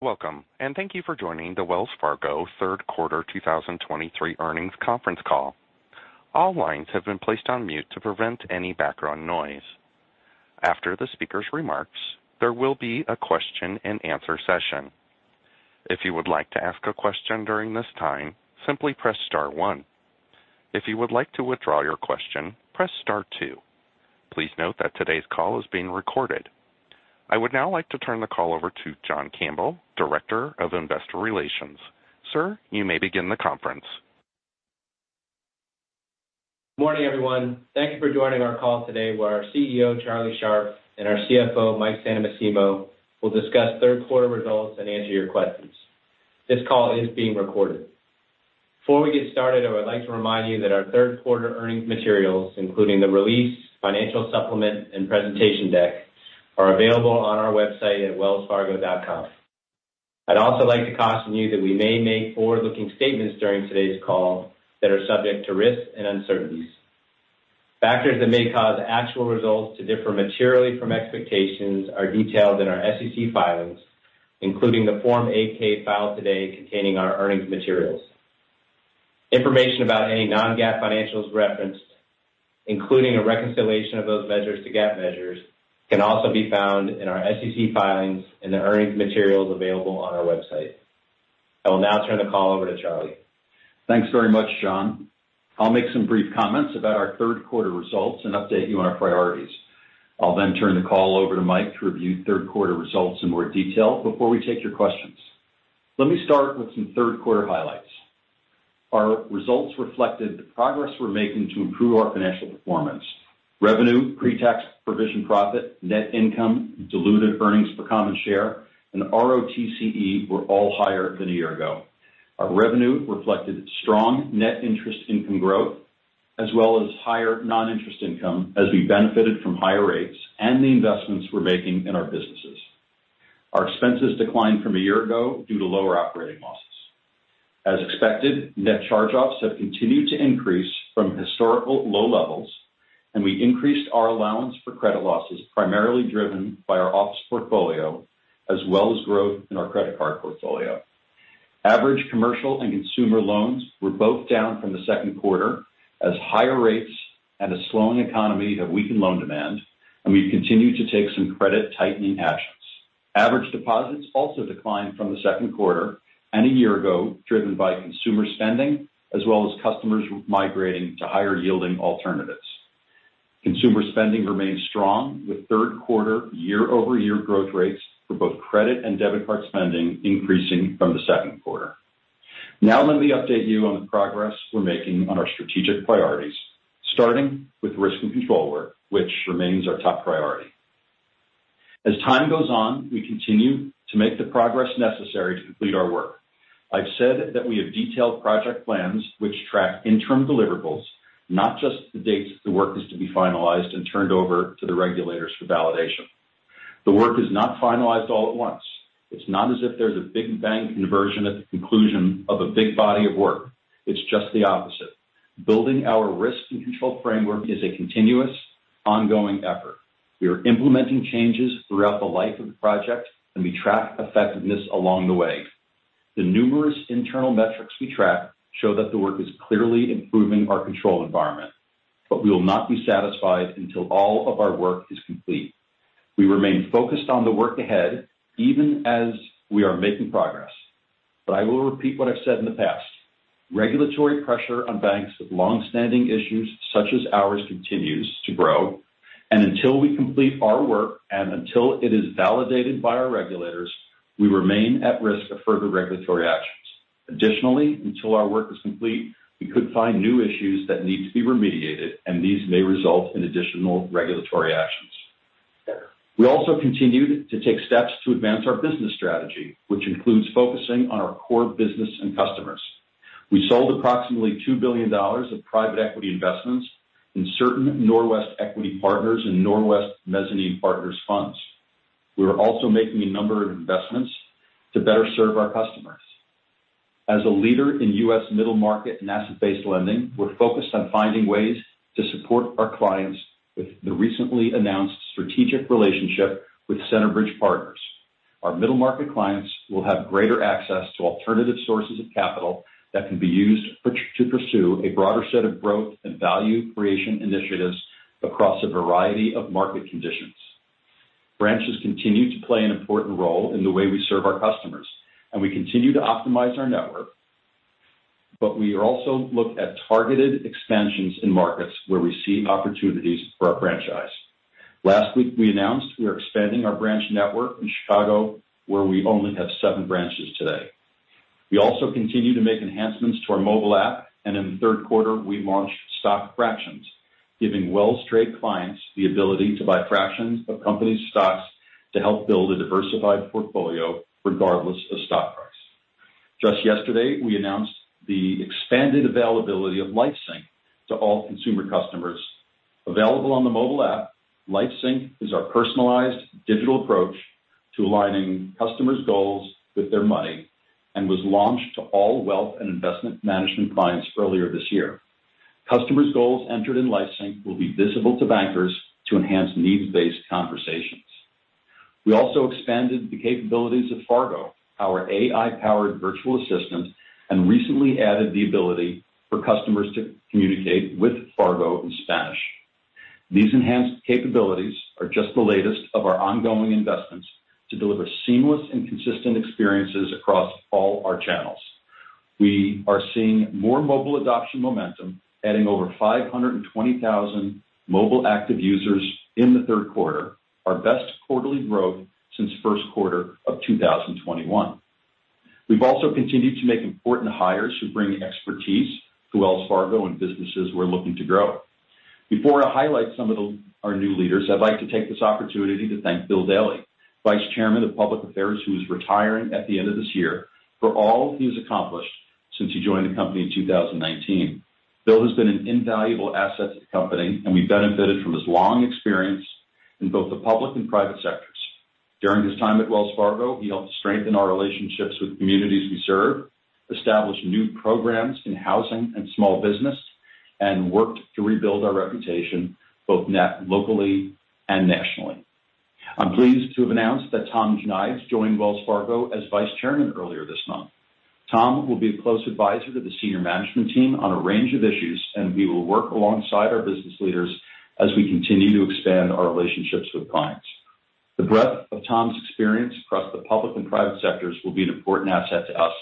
Welcome, and thank you for joining the Wells Fargo Third Quarter 2023 Earnings Conference Call. All lines have been placed on mute to prevent any background noise. After the speaker's remarks, there will be a question-and-answer session. If you would like to ask a question during this time, simply press star one. If you would like to withdraw your question, press star two. Please note that today's call is being recorded. I would now like to turn the call over to John Campbell, Director of Investor Relations. Sir, you may begin the conference. Morning, everyone. Thank you for joining our call today, where our CEO, Charlie Scharf, and our CFO, Mike Santomassimo, will discuss third quarter results and answer your questions. This call is being recorded. Before we get started, I would like to remind you that our third quarter earnings materials, including the release, financial supplement, and presentation deck, are available on our website at wellsfargo.com. I'd also like to caution you that we may make forward-looking statements during today's call that are subject to risks and uncertainties. Factors that may cause actual results to differ materially from expectations are detailed in our SEC filings, including the Form 8-K filed today containing our earnings materials. Information about any non-GAAP financials referenced, including a reconciliation of those measures to GAAP measures, can also be found in our SEC filings and the earnings materials available on our website. I will now turn the call over to Charlie. Thanks very much, John. I'll make some brief comments about our third quarter results and update you on our priorities. I'll then turn the call over to Mike to review third quarter results in more detail before we take your questions. Let me start with some third-quarter highlights. Our results reflected the progress we're making to improve our financial performance. Revenue, pre-tax, provision profit, net income, diluted earnings per common share, and ROTCE were all higher than a year ago. Our revenue reflected strong net interest income growth, as well as higher non-interest income, as we benefited from higher rates and the investments we're making in our businesses. Our expenses declined from a year ago due to lower operating losses. As expected, net charge-offs have continued to increase from historical low levels, and we increased our allowance for credit losses, primarily driven by our office portfolio, as well as growth in our Credit Card portfolio. Average commercial and consumer loans were both down from the second quarter, as higher rates and a slowing economy have weakened loan demand, and we've continued to take some credit tightening actions. Average deposits also declined from the second quarter and a year ago, driven by consumer spending as well as customers migrating to higher-yielding alternatives. Consumer spending remains strong, with third-quarter year-over-year growth rates for both credit and debit card spending increasing from the second quarter. Now, let me update you on the progress we're making on our strategic priorities, starting with risk and control work, which remains our top priority. As time goes on, we continue to make the progress necessary to complete our work. I've said that we have detailed project plans which track interim deliverables, not just the dates the work is to be finalized and turned over to the regulators for validation. The work is not finalized all at once. It's not as if there's a big bang conversion at the conclusion of a big body of work. It's just the opposite. Building our risk and control framework is a continuous, ongoing effort. We are implementing changes throughout the life of the project, and we track effectiveness along the way. The numerous internal metrics we track show that the work is clearly improving our control environment, but we will not be satisfied until all of our work is complete. We remain focused on the work ahead, even as we are making progress. I will repeat what I've said in the past. Regulatory pressure on banks with long-standing issues, such as ours, continues to grow, and until we complete our work and until it is validated by our regulators, we remain at risk of further regulatory actions. Additionally, until our work is complete, we could find new issues that need to be remediated, and these may result in additional regulatory actions. We also continued to take steps to advance our business strategy, which includes focusing on our core business and customers. We sold approximately $2 billion of private equity investments in certain Norwest Equity Partners and Norwest Mezzanine Partners funds. We are also making a number of investments to better serve our customers. As a leader in U.S. middle market and asset-based lending, we're focused on finding ways to support our clients with the recently announced strategic relationship with. Our middle-market clients will have greater access to alternative sources of capital that can be used to pursue a broader set of growth and value creation initiatives across a variety of market conditions. Branches continue to play an important role in the way we serve our customers, and we continue to optimize our network, but we also look at targeted expansions in markets where we see opportunities for our franchise. Last week, we announced we are expanding our branch network in Chicago, where we only have seven branches today. We also continue to make enhancements to our mobile app, and in the third quarter, we launched Stock Fractions, giving WellsTrade clients the ability to buy fractions of companies' stocks to help build a diversified portfolio regardless of stock price. Just yesterday, we announced the expanded availability of LifeSync to all consumer customers. Available on the mobile app, LifeSync is our personalized digital approach to aligning customers' goals with their money and was launched to all Wealth and Investment Management clients earlier this year. Customers' goals entered in LifeSync will be visible to bankers to enhance needs-based conversations. We also expanded the capabilities of Fargo, our AI-powered virtual assistant, and recently added the ability for customers to communicate with Fargo in Spanish. These enhanced capabilities are just the latest of our ongoing investments to deliver seamless and consistent experiences across all our channels. We are seeing more mobile adoption momentum, adding over 520,000 mobile active users in the third quarter, our best quarterly growth since first quarter of 2021. We've also continued to make important hires who bring expertise to Wells Fargo and businesses we're looking to grow. Before I highlight some of our new leaders, I'd like to take this opportunity to thank Bill Daley, Vice Chairman of Public Affairs, who is retiring at the end of this year, for all he has accomplished since he joined the company in 2019. Bill has been an invaluable asset to the company, and we've benefited from his long experience in both the public and private sectors. During his time at Wells Fargo, he helped strengthen our relationships with the communities we serve, establish new programs in housing and small business, and worked to rebuild our reputation, both locally and nationally. I'm pleased to have announced that Thomas Nides joined Wells Fargo as Vice Chairman earlier this month. Tom will be a close advisor to the senior management team on a range of issues, and he will work alongside our business leaders as we continue to expand our relationships with clients. The breadth of Tom's experience across the public and private sectors will be an important asset to us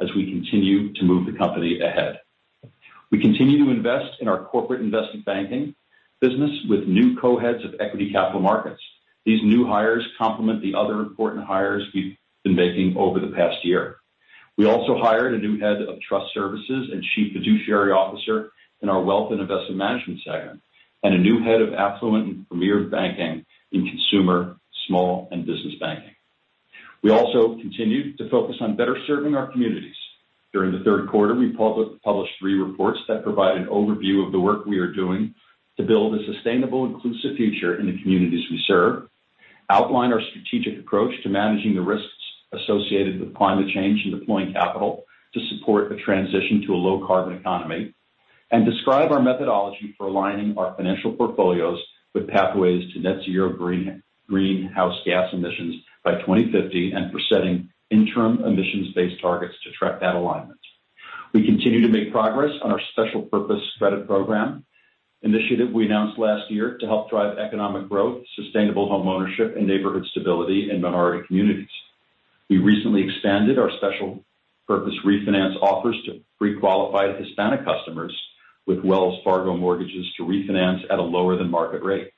as we continue to move the company ahead. We continue to Corporate and Investment Banking business with new co-heads of Equity Capital Markets. These new hires complement the other important hires we've been making over the past year. We also hired a new head of Trust Services and Chief Fiduciary Officer in our Wealth and Investment Management segment, and a new head of Affluent and Premier Banking in Consumer, Small and Business Banking. We also continued to focus on better serving our communities. During the third quarter, we published three reports that provide an overview of the work we are doing to build a sustainable, inclusive future in the communities we serve, outline our strategic approach to managing the risks associated with climate change and deploying capital to support a transition to a low-carbon economy, and describe our methodology for aligning our financial portfolios with pathways to net zero greenhouse gas emissions by 2050, and for setting interim emissions-based targets to track that alignment. We continue to make progress on our special purpose credit program initiative we announced last year to help drive economic growth, sustainable homeownership, and neighborhood stability in minority communities. We recently expanded our special purpose refinance offers to pre-qualified Hispanic customers with Wells Fargo mortgages to refinance at a lower-than-market rate.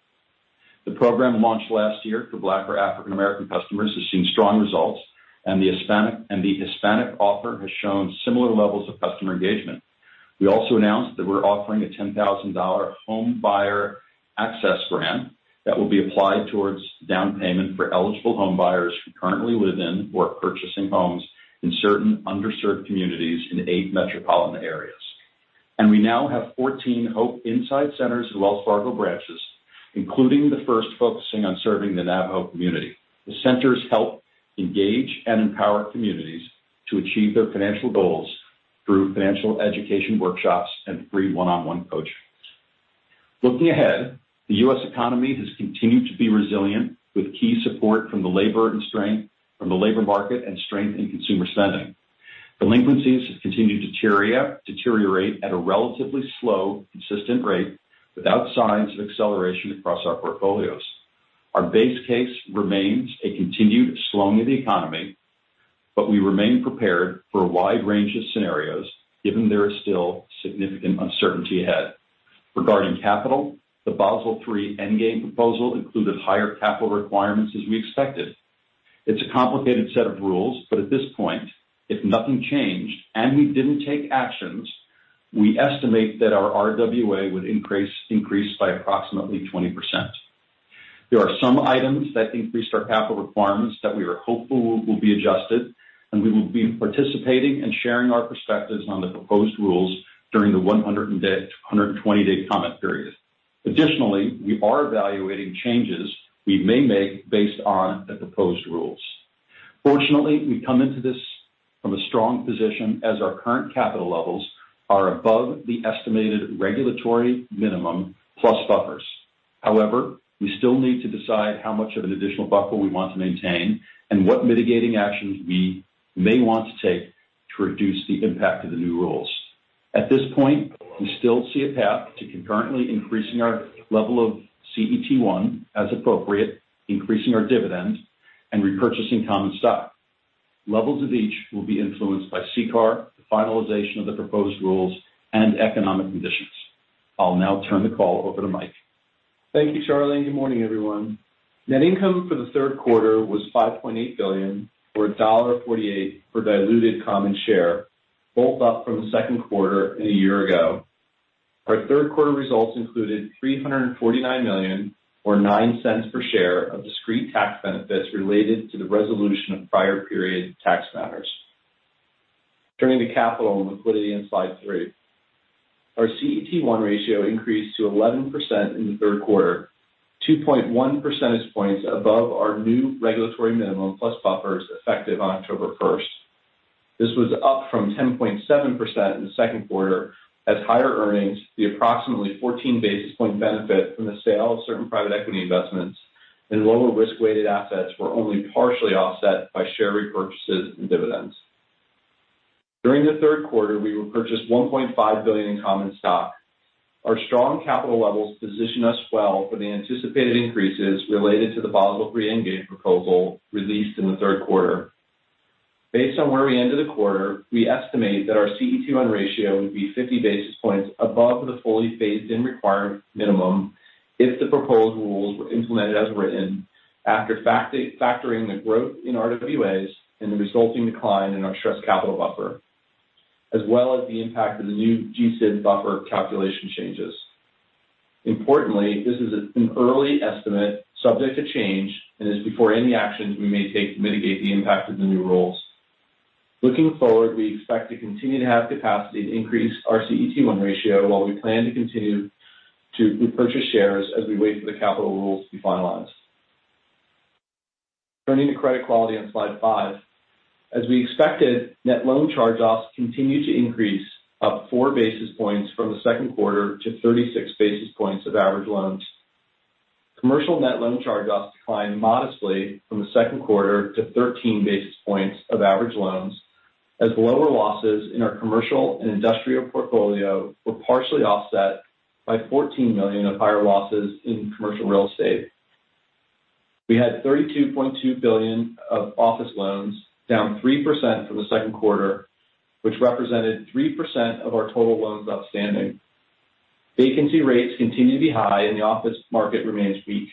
The program launched last year for Black or African American customers has seen strong results, and the Hispanic offer has shown similar levels of customer engagement. We also announced that we're offering a $10,000 Homebuyer Access grant that will be applied towards down payment for eligible homebuyers who currently live in, or are purchasing homes in, certain underserved communities in eight metropolitan areas. We now have 14 HOPE Inside centers in Wells Fargo branches, including the first focusing on serving the Navajo community. The centers help engage and empower communities to achieve their financial goals through financial education workshops and free one-on-one coaching. Looking ahead, the U.S. economy has continued to be resilient, with key support from the labor market and strength in consumer spending. Delinquencies have continued to deteriorate, deteriorate at a relatively slow, consistent rate, without signs of acceleration across our portfolios. Our base case remains a continued slowing of the economy, but we remain prepared for a wide range of scenarios given there is still significant uncertainty ahead. Regarding capital, the Basel III Endgame proposal included higher capital requirements, as we expected. It's a complicated set of rules, but at this point, if nothing changed and we didn't take actions, we estimate that our RWA would increase, increase by approximately 20%. There are some items that increase our capital requirements that we are hopeful will be adjusted, and we will be participating and sharing our perspectives on the proposed rules during the 120-day comment period. Additionally, we are evaluating changes we may make based on the proposed rules. Fortunately, we come into this from a strong position as our current capital levels are above the estimated regulatory minimum plus buffers. However, we still need to decide how much of an additional buffer we want to maintain and what mitigating actions we may want to take to reduce the impact of the new rules. At this point, we still see a path to concurrently increasing our level of CET1 as appropriate, increasing our dividend, and repurchasing common stock. Levels of each will be influenced by CCAR, the finalization of the proposed rules, and economic conditions. I'll now turn the call over to Mike. Thank you, Charlie, and good morning, everyone. Net income for the third quarter was $5.8 billion, or $1.48 per diluted common share, both up from the second quarter and a year ago. Our third quarter results included $349 million, or $0.09 per share of discrete tax benefits related to the resolution of prior period tax matters. Turning to capital and liquidity on slide three. Our CET1 ratio increased to 11% in the third quarter, 2.1% points above our new regulatory minimum, plus buffers effective on October first. This was up from 10.7% in the second quarter, as higher earnings, the approximately 14 basis point benefit from the sale of certain private equity investments and lower risk-weighted assets were only partially offset by share repurchases and dividends. During the third quarter, we repurchased $1.5 billion in common stock. Our strong capital levels position us well for the anticipated increases related to the Basel III Endgame proposal released in the third quarter. Based on where we ended the quarter, we estimate that our CET1 ratio would be 50 basis points above the fully phased-in required minimum if the proposed rules were implemented as written, after factoring the growth in RWAs and the resulting decline in our stress capital buffer, as well as the impact of the new GSIB buffer calculation changes. Importantly, this is an early estimate subject to change and is before any actions we may take to mitigate the impact of the new rules. Looking forward, we expect to continue to have capacity to increase our CET1 ratio, while we plan to continue to repurchase shares as we wait for the capital rules to be finalized. Turning to credit quality on slide five. As we expected, net loan charge-offs continued to increase, up four basis points from the second quarter to 36 basis points of average loans. Commercial net loan charge-offs declined modestly from the second quarter to 13 basis points of average loans, as lower losses in our commercial and industrial portfolio were partially offset by $14 million of higher losses in Commercial Real Estate. We had $32.2 billion of office loans, down 3% from the second quarter, which represented 3% of our total loans outstanding. Vacancy rates continue to be high, and the office market remains weak.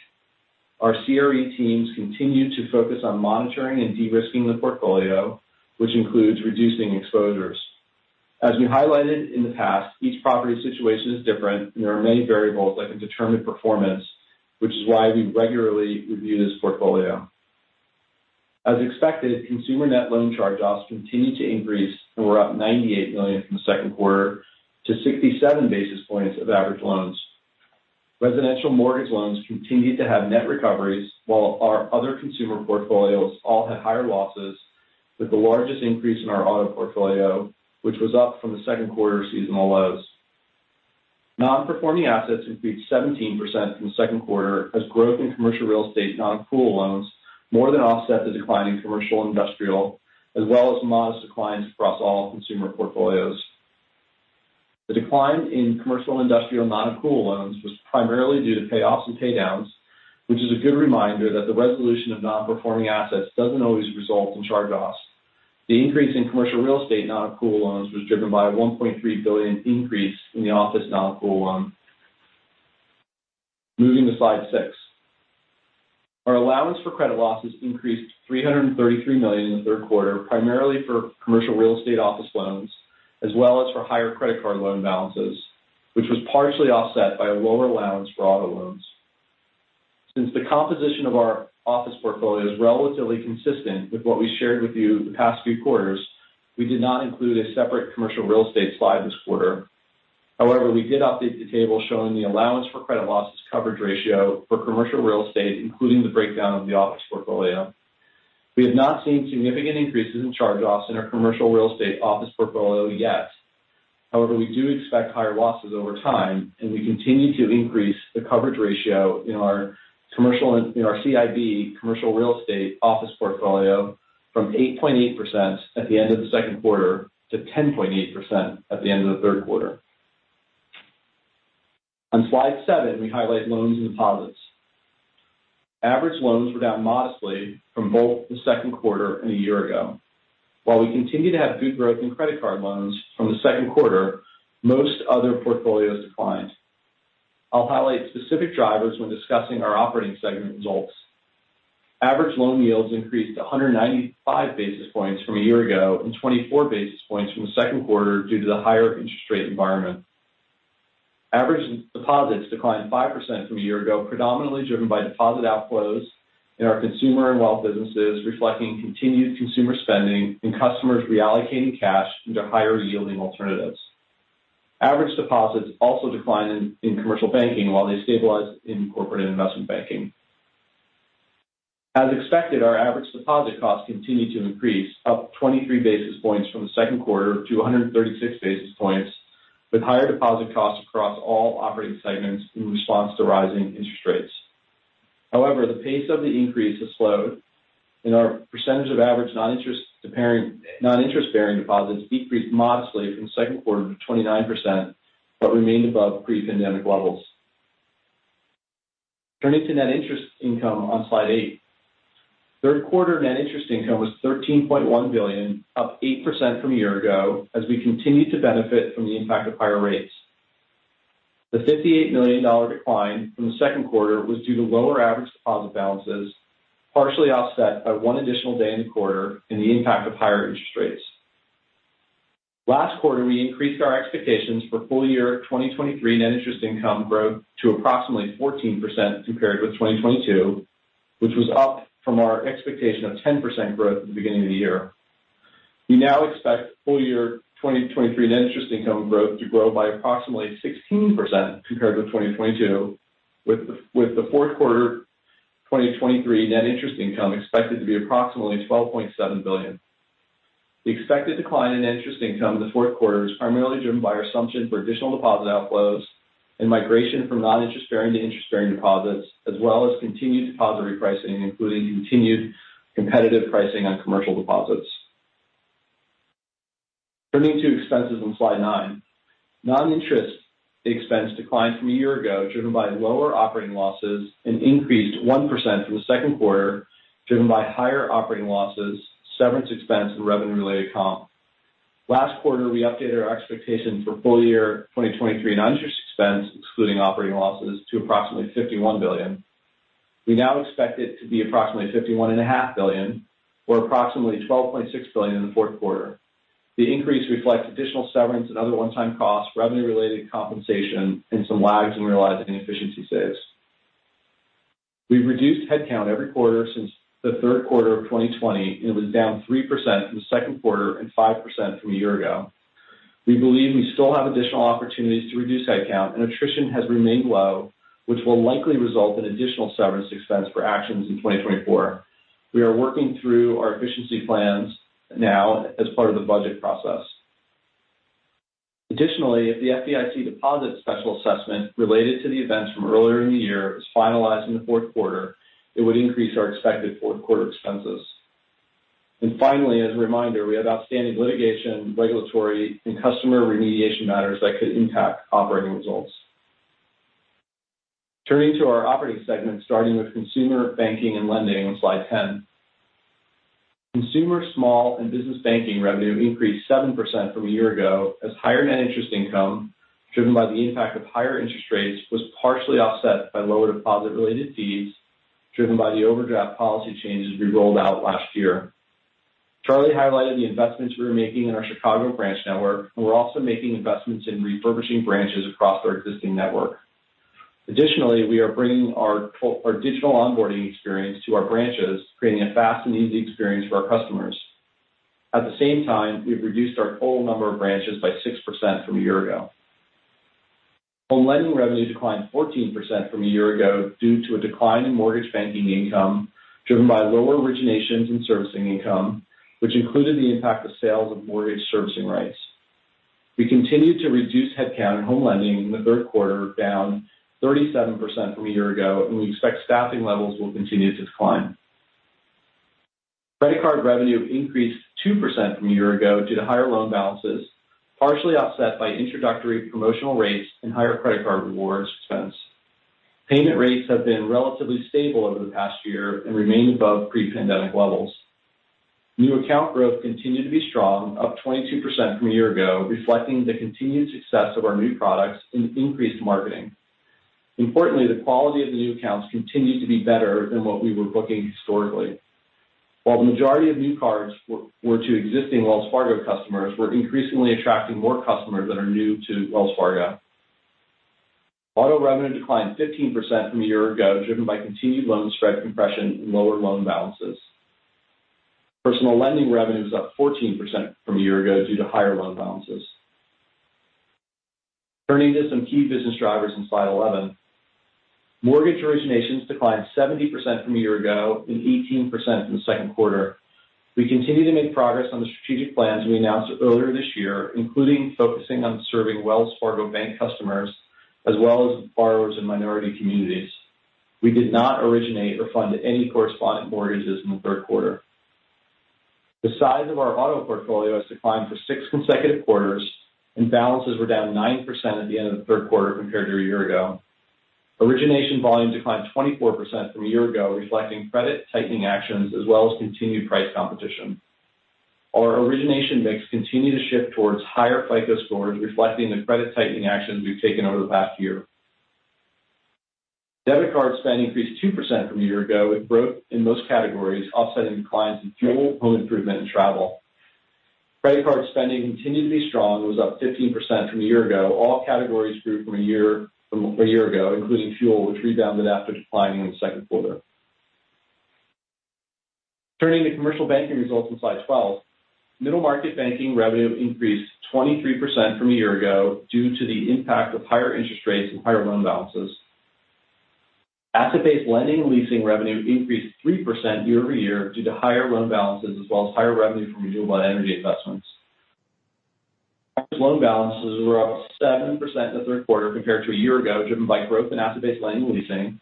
Our CRE teams continue to focus on monitoring and de-risking the portfolio, which includes reducing exposures. As we highlighted in the past, each property situation is different, and there are many variables that can determine performance, which is why we regularly review this portfolio. As expected, consumer net loan charge-offs continued to increase and were up $98 million from the second quarter to 67 basis points of average loans. Residential mortgage loans continued to have net recoveries, while our other consumer portfolios all had higher losses, with the largest increase in our auto portfolio, which was up from the second quarter seasonal lows. Nonperforming assets increased 17% from the second quarter, as growth in Commercial Real Estate non-accrual loans more than offset the decline in commercial and industrial, as well as modest declines across all consumer portfolios. The decline in commercial and industrial non-accrual loans was primarily due to payoffs and paydowns, which is a good reminder that the resolution of nonperforming assets doesn't always result in charge-offs. The increase in Commercial Real Estate non-accrual loans was driven by a $1.3 billion increase in the office non-accrual loans. Moving to slide six. Our allowance for credit losses increased $333 million in the third quarter, primarily for Commercial Real Estate office loans, as well as for higher Credit Card loan balances, which was partially offset by a lower allowance for auto loans. Since the composition of our office portfolio is relatively consistent with what we shared with you the past few quarters, we did not include a separate Commercial Real Estate slide this quarter. However, we did update the table showing the allowance for credit losses coverage ratio for Commercial Real Estate, including the breakdown of the office portfolio. We have not seen significant increases in charge-offs in our Commercial Real Estate office portfolio yet. However, we do expect higher losses over time, and we continue to increase the coverage ratio in our CIB Commercial Real Estate office portfolio from 8.8% at the end of the second quarter to 10.8% at the end of the third quarter. On slide seven, we highlight loans and deposits. Average loans were down modestly from both the second quarter and a year ago. While we continue to have good growth in Credit Card loans from the second quarter, most other portfolios declined. I'll highlight specific drivers when discussing our operating segment results. Average loan yields increased 195 basis points from a year ago and 24 basis points from the second quarter due to the higher interest rate environment. Average deposits declined 5% from a year ago, predominantly driven by deposit outflows in our Consumer and Wealth businesses, reflecting continued consumer spending and customers reallocating cash into higher-yielding alternatives. Average deposits also declined in Commercial Banking while they stabilized in Corporate and Investment Banking. As expected, our average deposit costs continued to increase, up 23 basis points from the second quarter to 136 basis points, with higher deposit costs across all operating segments in response to rising interest rates. However, the pace of the increase has slowed, and our percentage of average non-interest-bearing deposits decreased modestly from the second quarter to 29%, but remained above pre-pandemic levels. Turning to net interest income on slide eight. Third quarter net interest income was $13.1 billion, up 8% from a year ago, as we continued to benefit from the impact of higher rates. The $58 million decline from the second quarter was due to lower average deposit balances, partially offset by one additional day in the quarter and the impact of higher interest rates. Last quarter, we increased our expectations for full year 2023 net interest income growth to approximately 14% compared with 2022, which was up from our expectation of 10% growth at the beginning of the year. We now expect full year 2023 net interest income growth to grow by approximately 16% compared with 2022, with the fourth quarter 2023 net interest income expected to be approximately $12.7 billion. The expected decline in interest income in the fourth quarter is primarily driven by our assumption for additional deposit outflows and migration from non-interest bearing to interest-bearing deposits, as well as continued deposit repricing, including continued competitive pricing on commercial deposits. Turning to expenses on slide 9. Non-interest expense declined from a year ago, driven by lower operating losses and increased 1% from the second quarter, driven by higher operating losses, severance expense, and revenue-related comp. Last quarter, we updated our expectation for full year 2023 non-interest expense, excluding operating losses, to approximately $51 billion. We now expect it to be approximately $51.5 billion, or approximately $12.6 billion in the fourth quarter. The increase reflects additional severance and other one-time costs, revenue-related compensation, and some lags in realizing efficiency saves. We've reduced headcount every quarter since the third quarter of 2020. It was down 3% in the second quarter and 5% from a year ago. We believe we still have additional opportunities to reduce headcount, and attrition has remained low, which will likely result in additional severance expense for actions in 2024. We are working through our efficiency plans now as part of the budget process. Additionally, if the FDIC deposit special assessment related to the events from earlier in the year is finalized in the fourth quarter, it would increase our expected fourth quarter expenses. Finally, as a reminder, we have outstanding litigation, regulatory, and customer remediation matters that could impact operating results. Turning to our operating segments, starting with Consumer Banking and Lending on slide 10. Consumer, Small and Business Banking revenue increased 7% from a year ago, as higher net interest income, driven by the impact of higher interest rates, was partially offset by lower deposit-related fees, driven by the overdraft policy changes we rolled out last year. Charlie highlighted the investments we're making in our Chicago branch network, and we're also making investments in refurbishing branches across our existing network. Additionally, we are bringing our digital onboarding experience to our branches, creating a fast and easy experience for our customers. At the same time, we've reduced our total number of branches by 6% from a year ago. Home Lending revenue declined 14% from a year ago due to a decline in mortgage banking income, driven by lower originations and servicing income, which included the impact of sales of mortgage servicing rights. We continued to reduce headcount in Home Lending in the third quarter, down 37% from a year ago, and we expect staffing levels will continue to decline. Credit Card revenue increased 2% from a year ago due to higher loan balances, partially offset by introductory promotional rates and higher Credit Card rewards expense. Payment rates have been relatively stable over the past year and remain above pre-pandemic levels. New account growth continued to be strong, up 22% from a year ago, reflecting the continued success of our new products and increased marketing. Importantly, the quality of the new accounts continued to be better than what we were booking historically. While the majority of new cards were to existing Wells Fargo customers, we're increasingly attracting more customers that are new to Wells Fargo. Auto revenue declined 15% from a year ago, driven by continued loan spread compression and lower loan balances. Personal Lending revenue was up 14% from a year ago due to higher loan balances. Turning to some key business drivers on slide 11. Mortgage originations declined 70% from a year ago and 18% in the second quarter. We continue to make progress on the strategic plans we announced earlier this year, including focusing on serving Wells Fargo Bank customers as well as borrowers in minority communities. We did not originate or fund any correspondent mortgages in the third quarter. The size of our auto portfolio has declined for six consecutive quarters, and balances were down 9% at the end of the third quarter compared to a year ago. Origination volume declined 24% from a year ago, reflecting credit tightening actions as well as continued price competition. Our origination mix continued to shift towards higher FICO scores, reflecting the credit tightening actions we've taken over the past year. Debit card spend increased 2% from a year ago, with growth in most categories offsetting declines in fuel, home improvement, and travel. Credit Card spending continued to be strong and was up 15% from a year ago. All categories grew from a year ago, including fuel, which rebounded after declining in the second quarter. Turning to Commercial Banking results on slide 12. Middle Market Banking revenue increased 23% from a year ago due to the impact of higher interest rates and higher loan balances. Asset-Based Lending and Leasing revenue increased 3% year-over-year due to higher loan balances, as well as higher revenue from renewable energy investments. Average loan balances were up 7% in the third quarter compared to a year ago, driven by growth in Asset-Based Lending and Leasing.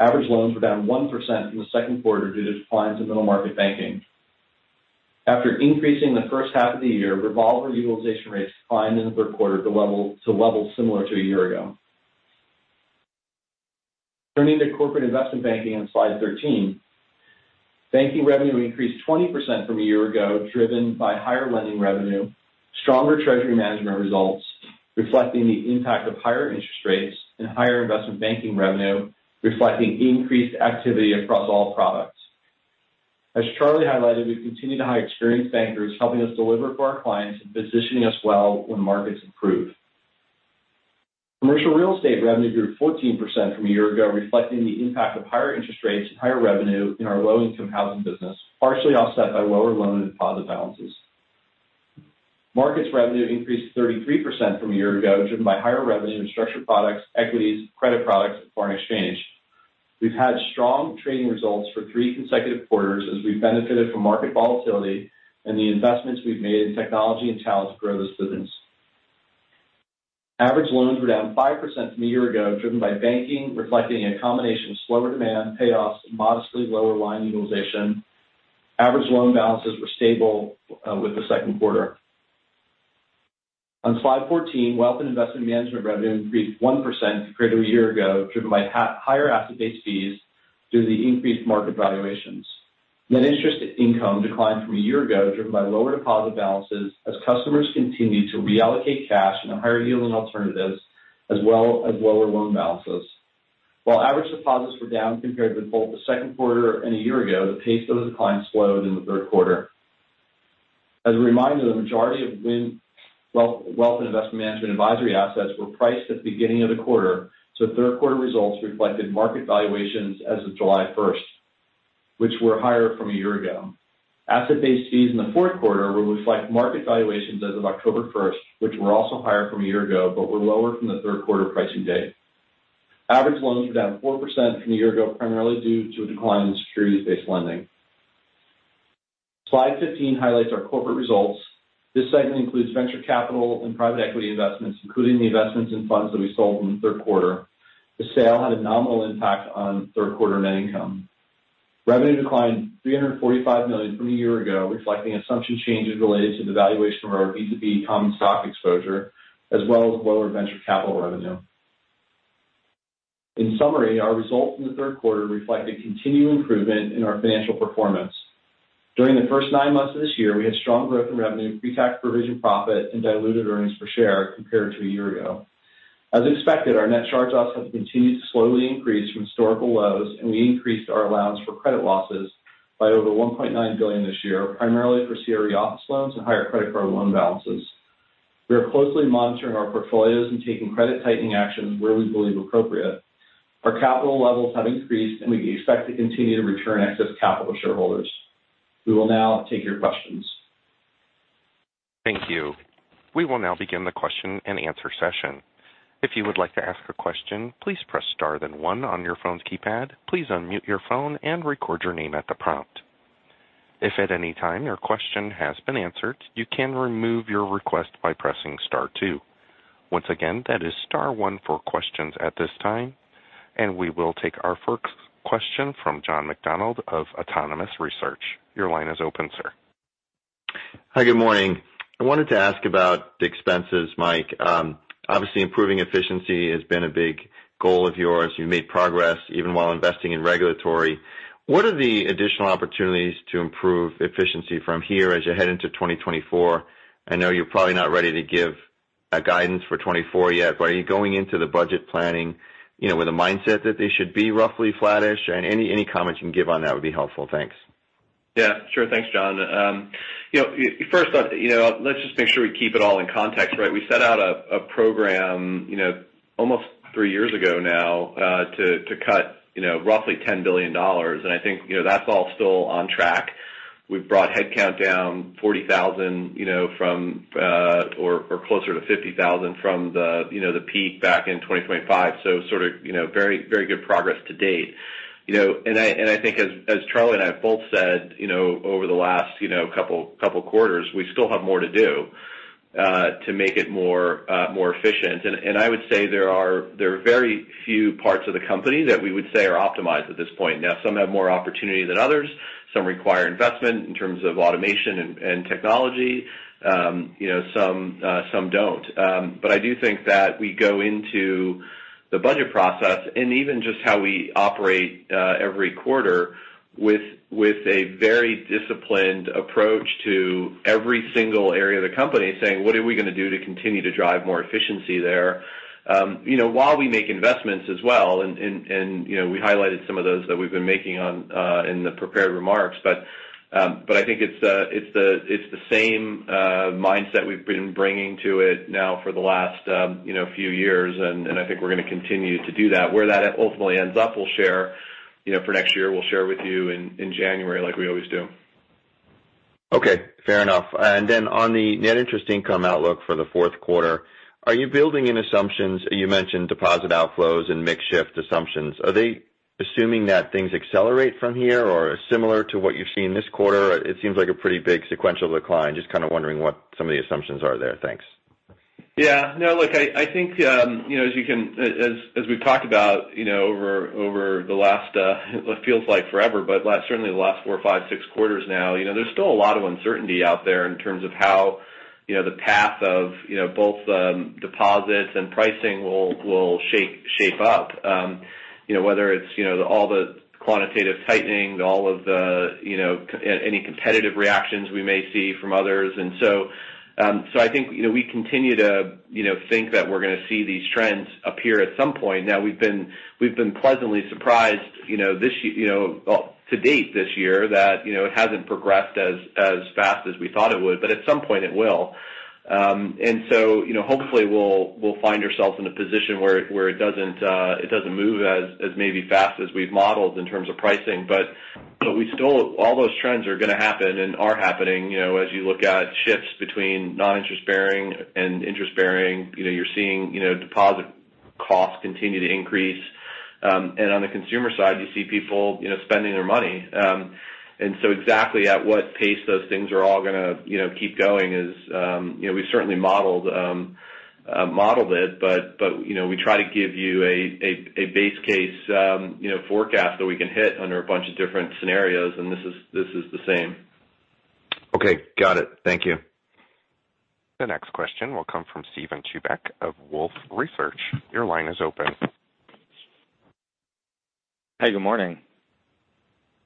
Average loans were down 1% from the second quarter due to declines in Middle Market Banking. After increasing in the first half of the year, revolver utilization rates declined in the third quarter to levels similar to a year Corporate and Investment Banking on slide 13. Banking revenue increased 20% from a year ago, driven by higher lending revenue, stronger treasury management results, reflecting the impact of higher interest rates and higher Investment Banking revenue, reflecting increased activity across all products. As Charlie highlighted, we continued to hire experienced bankers, helping us deliver for our clients and positioning us well when markets improve. Commercial Real Estate revenue grew 14% from a year ago, reflecting the impact of higher interest rates and higher revenue in our low-income housing business, partially offset by lower loan and deposit balances. Markets revenue increased 33% from a year ago, driven by higher revenue in structured products, equities, credit products, and foreign exchange. We've had strong trading results for three consecutive quarters as we've benefited from market volatility and the investments we've made in technology and talent to grow this business. Average loans were down 5% from a year ago, driven by Banking, reflecting a combination of slower demand, payoffs, and modestly lower line utilization. Average loan balances were stable with the second quarter. On slide 14, Wealth and Investment Management revenue increased 1% compared to a year ago, driven by higher asset-based fees due to the increased market valuations. Net interest income declined from a year ago, driven by lower deposit balances as customers continued to reallocate cash in higher yielding alternatives, as well as lower loan balances. While average deposits were down compared with both the second quarter and a year ago, the pace of the decline slowed in the third quarter. As a reminder, the majority of WIM, Wealth, Wealth and Investment Management advisory assets were priced at the beginning of the quarter, so third quarter results reflected market valuations as of July 1st, which were higher from a year ago. Asset-based fees in the fourth quarter will reflect market valuations as of October 1st, which were also higher from a year ago, but were lower from the third quarter pricing date. Average loans were down 4% from a year ago, primarily due to a decline in securities-based lending. Slide 15 highlights our Corporate results. This segment includes venture capital and private equity investments, including the investments in funds that we sold in the third quarter. The sale had a nominal impact on third quarter net income. Revenue declined $345 million from a year ago, reflecting assumption changes related to the valuation of our BAT common stock exposure, as well as lower venture capital revenue. In summary, our results in the third quarter reflect a continued improvement in our financial performance. During the first nine months of this year, we had strong growth in revenue, pre-tax provision profit, and diluted earnings per share compared to a year ago. As expected, our net charge-offs have continued to slowly increase from historical lows, and we increased our allowance for credit losses by over $1.9 billion this year, primarily for CRE office loans and higher Credit Card loan balances. We are closely monitoring our portfolios and taking credit tightening actions where we believe appropriate. Our capital levels have increased, and we expect to continue to return excess capital to shareholders. We will now take your questions. Thank you. We will now begin the question-and-answer session. If you would like to ask a question, please press star then one on your phone's keypad. Please unmute your phone and record your name at the prompt. If at any time your question has been answered, you can remove your request by pressing star two. Once again, that is star one for questions at this time, and we will take our first question from John McDonald of Autonomous Research. Your line is open, sir. Hi, good morning. I wanted to ask about the expenses, Mike. Obviously, improving efficiency has been a big goal of yours. You've made progress even while investing in regulatory. What are the additional opportunities to improve efficiency from here as you head into 2024? I know you're probably not ready to give a guidance for 2024 yet, but are you going into the budget planning, you know, with a mindset that they should be roughly flattish? Any comment you can give on that would be helpful. Thanks. Yeah, sure. Thanks, John. You know, first off, you know, let's just make sure we keep it all in context, right? We set out a, a program, you know, almost three years ago now, to, to cut, you know, roughly $10 billion. And I think, you know, that's all still on track. We've brought headcount down 40,000, you know, from, or, or closer to 50,000 from the, you know, the peak back in 2025. So sort of, you know, very, very good progress to date. You know, and I, and I think as, as Charlie and I have both said, you know, over the last, you know, couple, couple quarters, we still have more to do, to make it more, more efficient. I would say there are very few parts of the company that we would say are optimized at this point. Now, some have more opportunity than others. Some require investment in terms of automation and technology. You know, some don't. But I do think that we go into the budget process and even just how we operate every quarter with a very disciplined approach to every single area of the company, saying: What are we going to do to continue to drive more efficiency there? You know, while we make investments as well, and you know, we highlighted some of those that we've been making in the prepared remarks. But I think it's the same mindset we've been bringing to it now for the last, you know, few years, and I think we're going to continue to do that. Where that ultimately ends up, we'll share, you know, for next year, we'll share with you in January, like we always do. Okay, fair enough. And then on the net interest income outlook for the fourth quarter, are you building in assumptions? You mentioned deposit outflows and mix shift assumptions. Are they assuming that things accelerate from here or are similar to what you've seen this quarter? It seems like a pretty big sequential decline. Just kind of wondering what some of the assumptions are there. Thanks. Yeah. No, look, I think, you know, as we've talked about, you know, over the last, it feels like forever, but certainly the last four, five, six quarters now, you know, there's still a lot of uncertainty out there in terms of how, you know, the path of, you know, both deposits and pricing will shape up. You know, whether it's, you know, all the quantitative tightening, all of the, you know, any competitive reactions we may see from others. And so, I think, you know, we continue to, you know, think that we're going to see these trends appear at some point. Now, we've been pleasantly surprised, you know, this year, you know, well, to date this year, that, you know, it hasn't progressed as fast as we thought it would, but at some point it will. And so, you know, hopefully, we'll find ourselves in a position where it doesn't move as maybe fast as we've modeled in terms of pricing. But we still, all those trends are going to happen and are happening, you know, as you look at shifts between non-interest bearing and interest bearing, you know, you're seeing, you know, deposit costs continue to increase. And on the Consumer side, you see people, you know, spending their money. And so exactly at what pace those things are all going to, you know, keep going is, you know, we certainly modeled it, but, you know, we try to give you a base case, you know, forecast that we can hit under a bunch of different scenarios, and this is the same. Okay, got it. Thank you. The next question will come from Steven Chubak of Wolfe Research. Your line is open. Hey, good morning.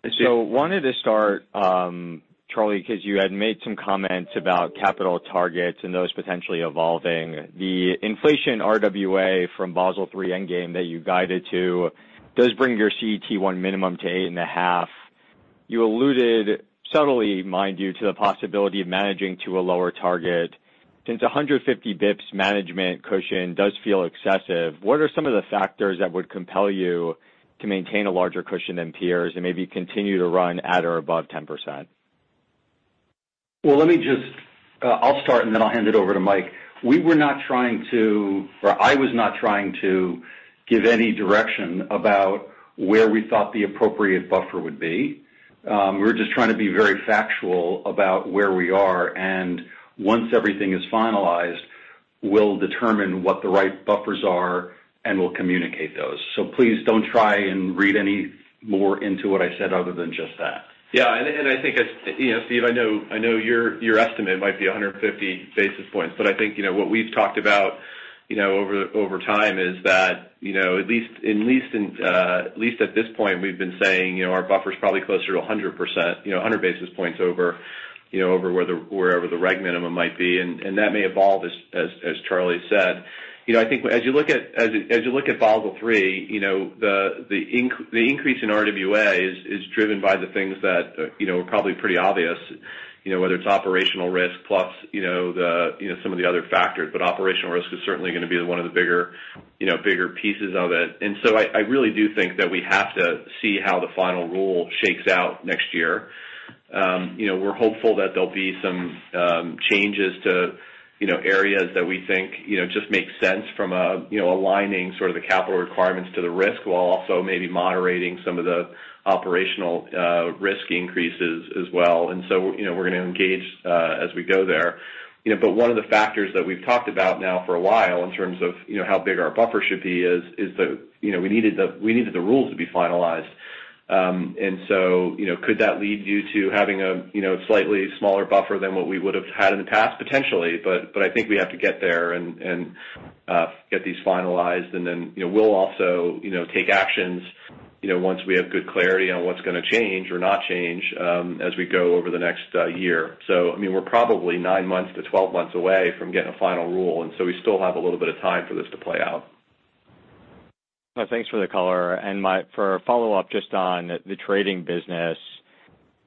Hey, Steve. Wanted to start, Charlie, because you had made some comments about capital targets and those potentially evolving. The inflation RWA from Basel III Endgame that you guided to does bring your CET1 minimum to 8.5. You alluded subtly, mind you, to the possibility of managing to a lower target. Since 150 basis points management cushion does feel excessive, what are some of the factors that would compel you to maintain a larger cushion than peers and maybe continue to run at or above 10%? Well, let me just, I'll start, and then I'll hand it over to Mike. We were not trying to, or I was not trying to give any direction about where we thought the appropriate buffer would be. We were just trying to be very factual about where we are, and once everything is finalized, we'll determine what the right buffers are, and we'll communicate those. So please don't try and read any more into what I said other than just that. Yeah, and I think, you know, Steve, I know your estimate might be 150 basis points, but I think, you know, what we've talked about, you know, over time is that, you know, at least at this point, we've been saying, you know, our buffer is probably closer to 100%, you know, 100 basis points over, you know, over wherever the reg minimum might be, and that may evolve as Charlie said. You know, I think as you look at Basel III, you know, the increase in RWA is driven by the things that, you know, are probably pretty obvious, you know, whether it's operational risk plus, you know, the, you know, some of the other factors, but operational risk is certainly going to be one of the bigger, you know, bigger pieces of it. And so I really do think that we have to see how the final rule shakes out next year. You know, we're hopeful that there'll be some changes to, you know, areas that we think, you know, just make sense from a, you know, aligning sort of the capital requirements to the risk, while also maybe moderating some of the operational risk increases as well. And so, you know, we're going to engage, as we go there. You know, but one of the factors that we've talked about now for a while in terms of, you know, how big our buffer should be is, you know, we needed the rules to be finalized. And so, you know, could that lead you to having a, you know, slightly smaller buffer than what we would have had in the past? Potentially, but I think we have to get there and get these finalized, and then, you know, we'll also, you know, take actions, you know, once we have good clarity on what's going to change or not change, as we go over the next year. I mean, we're probably nine-12 months away from getting a final rule, and so we still have a little bit of time for this to play out. Well, thanks for the color. My follow-up, just on the trading business,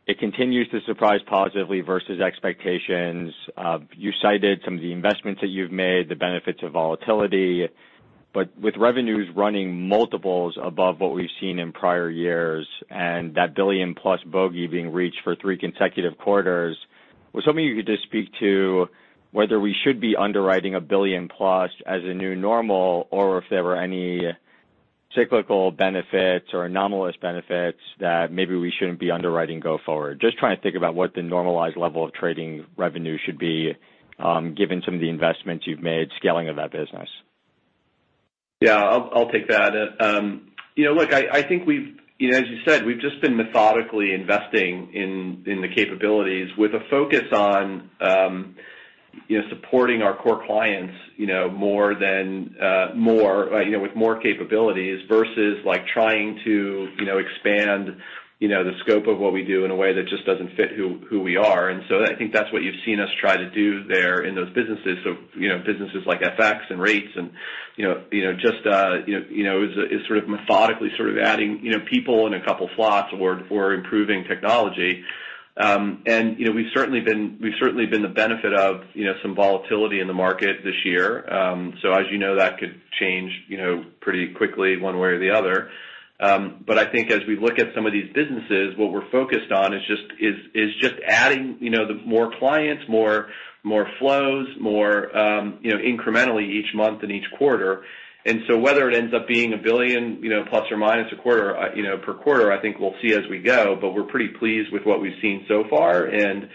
it continues to surprise positively versus expectations. You cited some of the investments that you've made, the benefits of volatility, but with revenues running multiples above what we've seen in prior years, and that $1 billion-plus bogey being reached for three consecutive quarters, was hoping you could just speak to whether we should be underwriting a $1 billion plus as a new normal, or if there were any cyclical benefits or anomalous benefits that maybe we shouldn't be underwriting go forward. Just trying to think about what the normalized level of trading revenue should be, given some of the investments you've made, scaling of that business. Yeah, I'll take that. You know, look, I think we've... You know, as you said, we've just been methodically investing in the capabilities with a focus on you know, supporting our core clients, you know, more than more, you know, with more capabilities versus like trying to you know, expand you know, the scope of what we do in a way that just doesn't fit who we are. And so I think that's what you've seen us try to do there in those businesses. So, you know, businesses like FX and rates and you know, you know, just you know, is sort of methodically sort of adding you know, people in a couple slots or improving technology. And, you know, we've certainly been the benefit of you know, some volatility in the market this year. So as you know, that could change, you know, pretty quickly one way or the other. But I think as we look at some of these businesses, what we're focused on is just adding, you know, the more clients, more flows, more, you know, incrementally each month and each quarter. And so whether it ends up being $1 billion, you know, plus or minus a quarter, you know, per quarter, I think we'll see as we go, but we're pretty pleased with what we've seen so far. And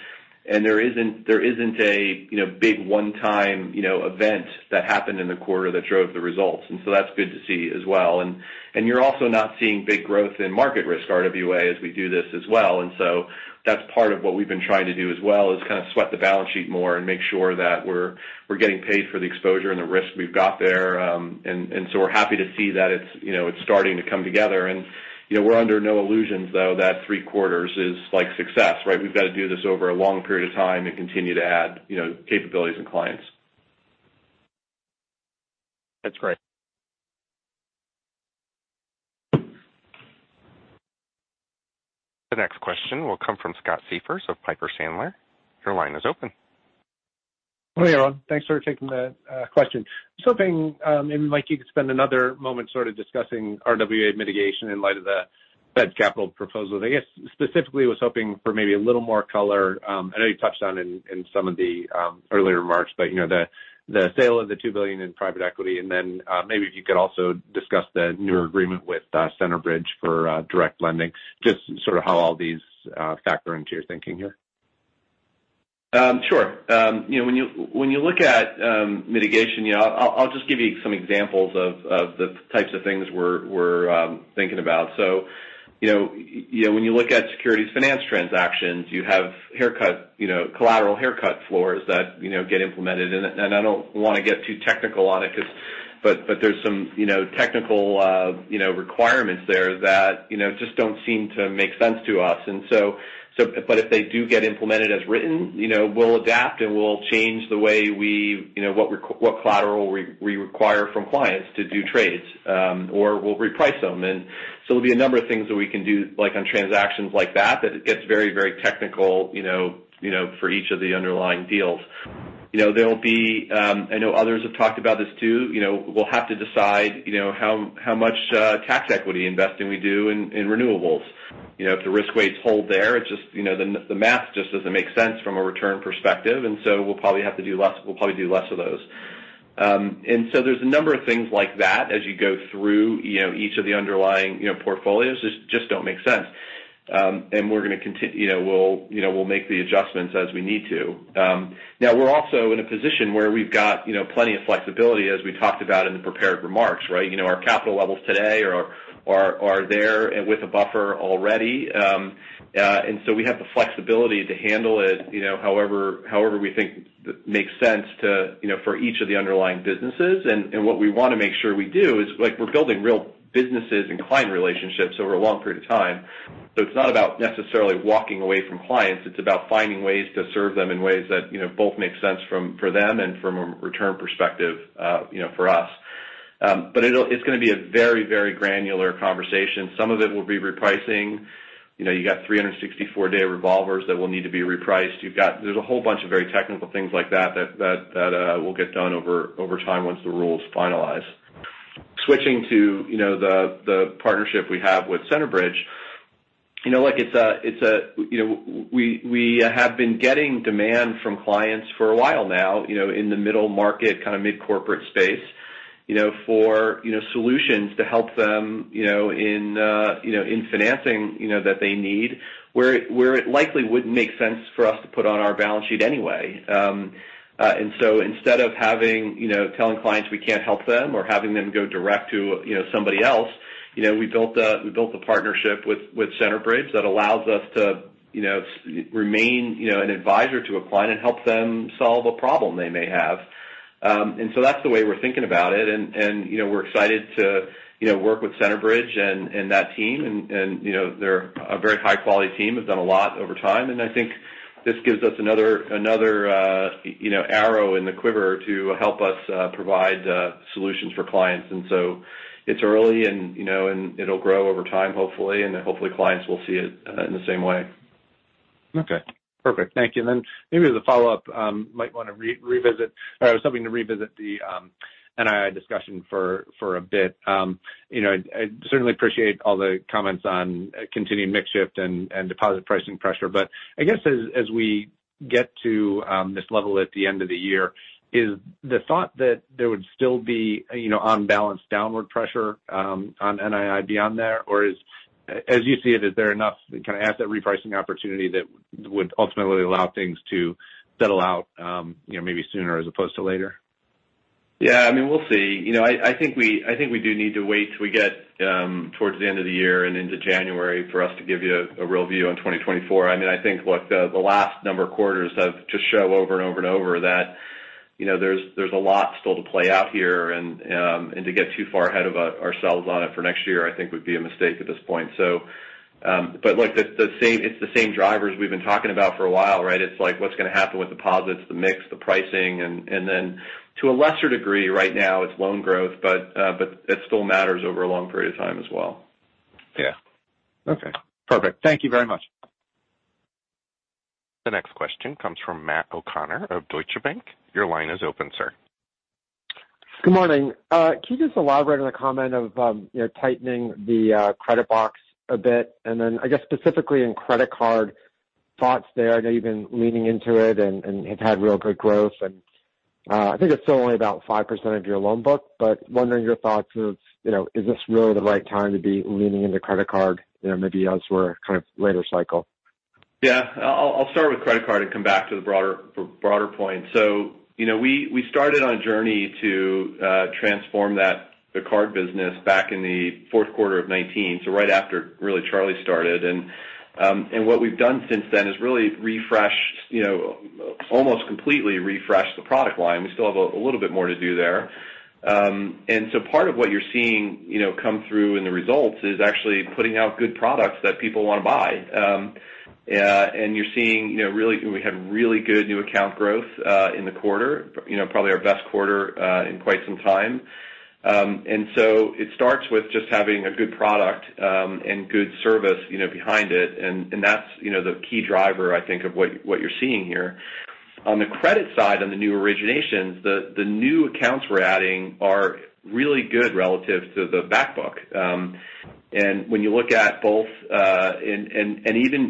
there isn't a, you know, big one-time, you know, event that happened in the quarter that drove the results, and so that's good to see as well. And you're also not seeing big growth in market risk RWA as we do this as well. And so that's part of what we've been trying to do as well, is kind of sweat the balance sheet more and make sure that we're getting paid for the exposure and the risk we've got there. And so we're happy to see that it's, you know, it's starting to come together. And, you know, we're under no illusions, though, that three quarters is like success, right? We've got to do this over a long period of time and continue to add, you know, capabilities and clients. That's great. The next question will come from Scott Siefers of Piper Sandler. Your line is open. Hi, all. Thanks for taking the question. I was hoping, maybe, Mike, you could spend another moment sort of discussing RWA mitigation in light of the Fed capital proposal. I guess, specifically was hoping for maybe a little more color. I know you touched on in some of the earlier remarks, but, you know, the sale of the $2 billion in private equity, and then, maybe if you could also discuss the newer agreement with Centerbridge for direct lending, just sort of how all these factor into your thinking here. Sure. You know, when you look at mitigation, you know, I'll just give you some examples of the types of things we're thinking about. So, you know, you know, when you look at securities finance transactions, you have haircut, you know, collateral haircut floors that, you know, get implemented. And I don't want to get too technical on it 'cause but there's some, you know, technical, you know, requirements there that, you know, just don't seem to make sense to us. And so but if they do get implemented as written, you know, we'll adapt, and we'll change the way we... You know, what what collateral we require from clients to do trades, or we'll reprice them. And so there'll be a number of things that we can do, like on transactions like that, that it gets very, very technical, you know, you know, for each of the underlying deals. You know, there will be, I know others have talked about this too, you know, we'll have to decide, you know, how much tax equity investing we do in renewables. You know, if the risk weights hold there, it just, you know, the math just doesn't make sense from a return perspective, and so we'll probably have to do less, we'll probably do less of those. And so there's a number of things like that as you go through, you know, each of the underlying, you know, portfolios. It just don't make sense. And we're gonna you know, we'll, you know, we'll make the adjustments as we need to. Now we're also in a position where we've got, you know, plenty of flexibility, as we talked about in the prepared remarks, right? You know, our capital levels today are, are there with a buffer already, and we have the flexibility to handle it, you know, however we think makes sense to, you know, for each of the underlying businesses. What we want to make sure we do is, like, we're building real businesses and client relationships over a long period of time. It's not about necessarily walking away from clients, it's about finding ways to serve them in ways that, you know, both make sense for them and from a return perspective, you know, for us. It'll, it's gonna be a very, very granular conversation. Some of it will be repricing. You know, you've got 364-day revolvers that will need to be repriced. You've got—there's a whole bunch of very technical things like that, that will get done over time once the rule is finalized. Switching to, you know, the partnership we have with Centerbridge, you know, look, it's a, it's a, you know, we have been getting demand from clients for a while now, you know, in the middle market, kind of mid-Corporate space, you know, for solutions to help them, you know, in financing, you know, that they need, where it likely wouldn't make sense for us to put on our balance sheet anyway. And so instead of having, you know, telling clients we can't help them or having them go direct to, you know, somebody else, you know, we built a, we built a partnership with Centerbridge that allows us to, you know, remain, you know, an advisor to a client and help them solve a problem they may have. And so that's the way we're thinking about it. And, and, you know, we're excited to, you know, work with Centerbridge and, and that team. And, and, you know, they're a very high-quality team, have done a lot over time, and I think this gives us another, another, you know, arrow in the quiver to help us provide solutions for clients. And so it's early and, you know, and it'll grow over time, hopefully, and hopefully clients will see it in the same way. Okay, perfect. Thank you. Maybe as a follow-up, I might want to revisit, or I was hoping to revisit the NII discussion for a bit. I certainly appreciate all the comments on continuing mix shift and deposit pricing pressure. I guess as we get to this level at the end of the year, is the thought that there would still be, you know, on balance, downward pressure on NII beyond there? As you see it, is there enough kind of asset repricing opportunity that would ultimately allow things to settle out, you know, maybe sooner as opposed to later? Yeah. I mean, we'll see. You know, I think we do need to wait till we get towards the end of the year and into January for us to give you a real view on 2024. I mean, I think, look, the last number of quarters have just shown over and over and over that, you know, there's a lot still to play out here, and to get too far ahead of ourselves on it for next year, I think would be a mistake at this point. Look, it's the same drivers we've been talking about for a while, right? It's like, what's gonna happen with deposits, the mix, the pricing, and, and then to a lesser degree, right now, it's loan growth, but, but it still matters over a long period of time as well. Yeah. Okay, perfect. Thank you very much. The next question comes from Matt O'Connor of Deutsche Bank. Your line is open, sir. Good morning. Can you just elaborate on the comment of, you know, tightening the credit box a bit? And then, I guess, specifically in Credit Card, thoughts there. I know you've been leaning into it and have had real good growth, and I think it's still only about 5% of your loan book, but wondering your thoughts of, you know, is this really the right time to be leaning into Credit Card, you know, maybe elsewhere, kind of later cycle? Yeah. I'll start with Credit Card and come back to the broader point. So you know, we started on a journey to transform the card business back in the fourth quarter of 2019, so right after really Charlie started. And what we've done since then is really refreshed, you know, almost completely refreshed the product line. We still have a little bit more to do there. And so part of what you're seeing, you know, come through in the results is actually putting out good products that people want to buy. And you're seeing, you know, really we had really good new account growth in the quarter. You know, probably our best quarter in quite some time. And so it starts with just having a good product and good service, you know, behind it. And that's, you know, the key driver, I think, of what you're seeing here. On the credit side, on the new originations, the new accounts we're adding are really good relative to the back book. And when you look at both, and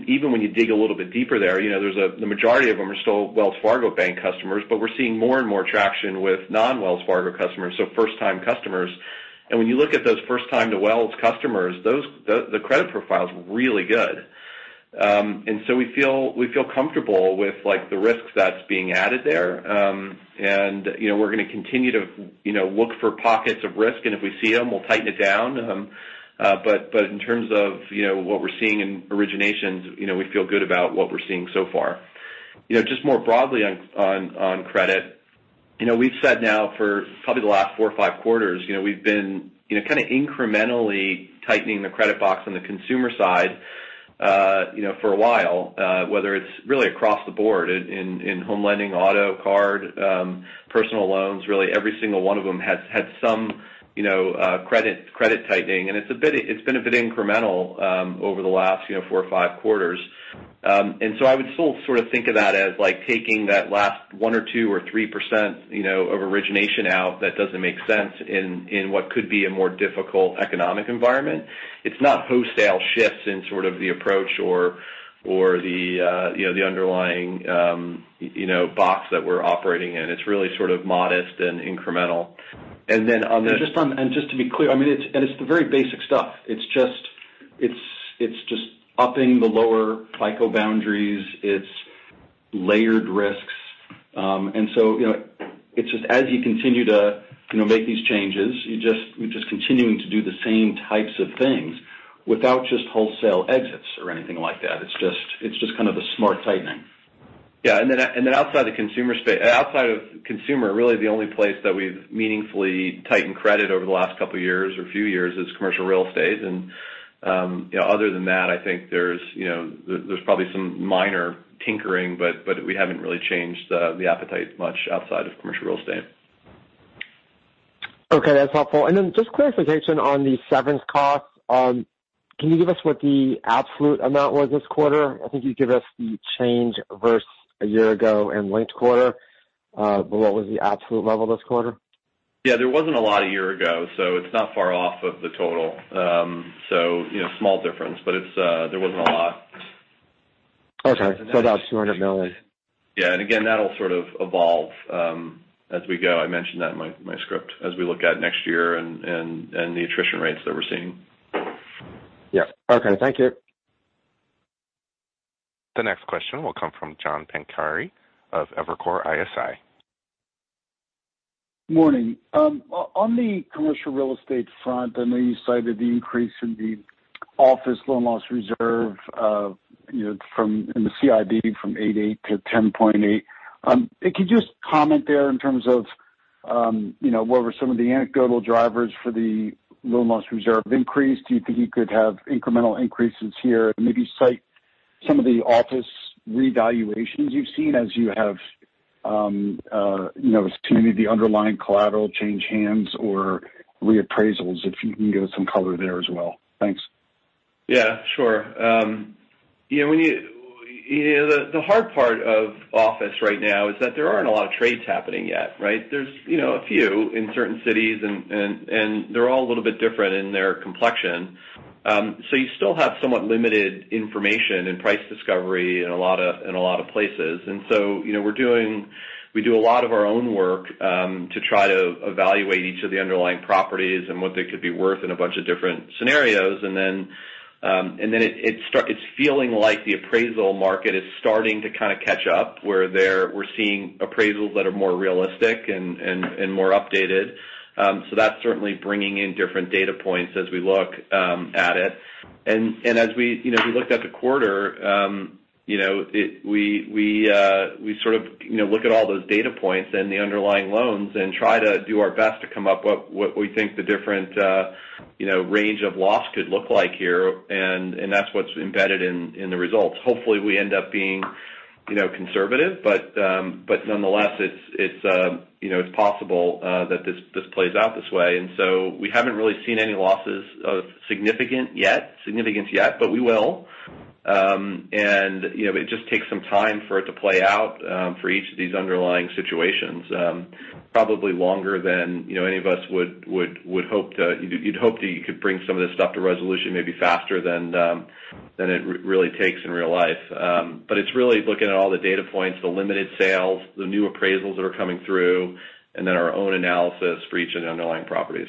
even when you dig a little bit deeper there, you know, there's a, the majority of them are still Wells Fargo Bank customers, but we're seeing more and more traction with non-Wells Fargo customers, so first-time customers. And when you look at those first time to Wells customers, those, the credit profile is really good. And so we feel comfortable with, like, the risks that's being added there. And, you know, we're going to continue to, you know, look for pockets of risk, and if we see them, we'll tighten it down. In terms of, you know, what we're seeing in originations, you know, we feel good about what we're seeing so far. You know, just more broadly on, on, on credit, you know, we've said now for probably the last four or five quarters, you know, we've been, you know, kind of incrementally tightening the credit box on the consumer side, you know, for a while, whether it's really across the board in Home Lending, auto, card, personal loans, really every single one of them has had some, you know, credit, credit tightening. And it's been a bit incremental, over the last, you know, four or five quarters. And so I would still sort of think of that as like taking that last 1% or 2% or 3%, you know, of origination out that doesn't make sense in what could be a more difficult economic environment. It's not wholesale shifts in sort of the approach or the, you know, the underlying, you know, box that we're operating in. It's really sort of modest and incremental. And then on the- And just to be clear, I mean, it's the very basic stuff. It's just upping the lower FICO boundaries, it's layered risks. And so, you know, it's just as you continue to, you know, make these changes, you're just continuing to do the same types of things without just wholesale exits or anything like that. It's just kind of a smart tightening. Yeah. Outside the Consumer space, really the only place that we've meaningfully tightened credit over the last couple of years or a few years is Commercial Real Estate. You know, other than that, I think there's probably some minor tinkering, but we haven't really changed the appetite much outside of Commercial Real Estate. Okay, that's helpful. And then just clarification on the severance costs. Can you give us what the absolute amount was this quarter? I think you gave us the change versus a year ago and linked quarter. But what was the absolute level this quarter? Yeah, there wasn't a lot a year ago, so it's not far off of the total. So, you know, small difference, but it's there wasn't a lot. Okay. So about $200 million. Yeah. And again, that'll sort of evolve as we go. I mentioned that in my script as we look at next year and the attrition rates that we're seeing. Yeah. Okay. Thank you. The next question will come from John Pancari of Evercore ISI. Morning. On the Commercial Real Estate front, I know you cited the increase in the office loan loss reserve, you know, from, in the CIB from 8.8 to 10.8. Could you just comment there in terms of, you know, what were some of the anecdotal drivers for the loan loss reserve increase? Do you think you could have incremental increases here? Maybe cite some of the office revaluations you've seen as you have, you know, seen the underlying collateral change hands or reappraisals, if you can give us some color there as well. Thanks. Yeah, sure. Yeah, when you know, the hard part of office right now is that there aren't a lot of trades happening yet, right? There's, you know, a few in certain cities, and they're all a little bit different in their complexion. So you still have somewhat limited information and price discovery in a lot of places. And so, you know, we do a lot of our own work to try to evaluate each of the underlying properties and what they could be worth in a bunch of different scenarios. And then it's feeling like the appraisal market is starting to kind of catch up, where we're seeing appraisals that are more realistic and more updated. So that's certainly bringing in different data points as we look at it. And as we, you know, we looked at the quarter, you know, we sort of look at all those data points and the underlying loans and try to do our best to come up with what we think the different, you know, range of loss could look like here, and that's what's embedded in the results. Hopefully, we end up being, you know, conservative, but nonetheless, it's, you know, it's possible that this plays out this way. And so we haven't really seen any losses of significance yet, but we will. And, you know, it just takes some time for it to play out for each of these underlying situations. Probably longer than, you know, any of us would hope to... You'd hope that you could bring some of this stuff to resolution maybe faster than it really takes in real life. But it's really looking at all the data points, the limited sales, the new appraisals that are coming through, and then our own analysis for each of the underlying properties.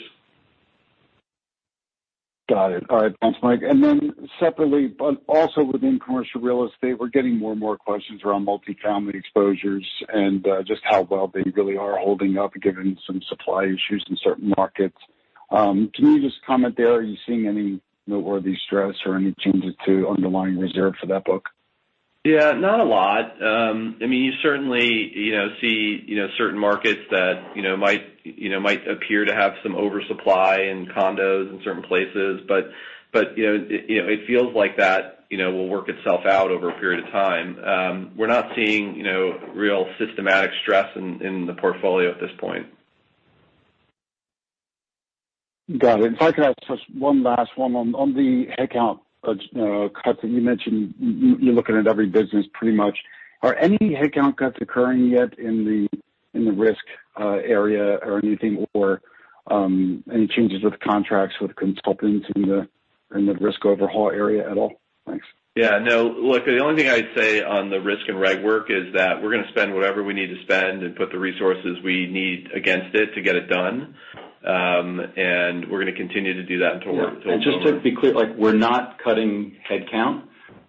Got it. All right. Thanks, Mike. And then separately, but also within Commercial Real Estate, we're getting more and more questions around multifamily exposures and, just how well they really are holding up, given some supply issues in certain markets. Can you just comment there, are you seeing any noteworthy stress or any changes to underlying reserve for that book? Yeah, not a lot. I mean, you certainly, you know, see, you know, certain markets that, you know, might appear to have some oversupply in condos in certain places. But, you know, it feels like that, you know, will work itself out over a period of time. We're not seeing, you know, real systematic stress in the portfolio at this point. Got it. If I could ask just one last one on the headcount cuts that you mentioned, you're looking at every business pretty much. Are any headcount cuts occurring yet in the risk area or anything, or any changes with contracts with consultants in the risk overhaul area at all? Thanks. Yeah, no. Look, the only thing I'd say on the risk and right work is that we're gonna spend whatever we need to spend and put the resources we need against it to get it done. And we're gonna continue to do that until we're- Just to be clear, like, we're not cutting headcount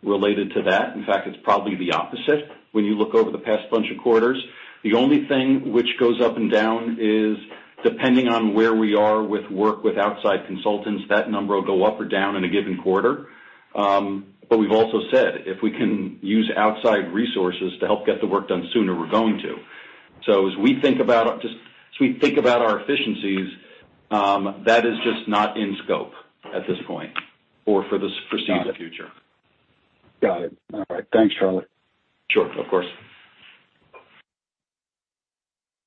related to that. In fact, it's probably the opposite when you look over the past bunch of quarters. The only thing which goes up and down is, depending on where we are with work with outside consultants, that number will go up or down in a given quarter. But we've also said, if we can use outside resources to help get the work done sooner, we're going to. As we think about our efficiencies, that is just not in scope at this point or for this foreseeable future. Got it. All right. Thanks, Charlie. Sure, of course.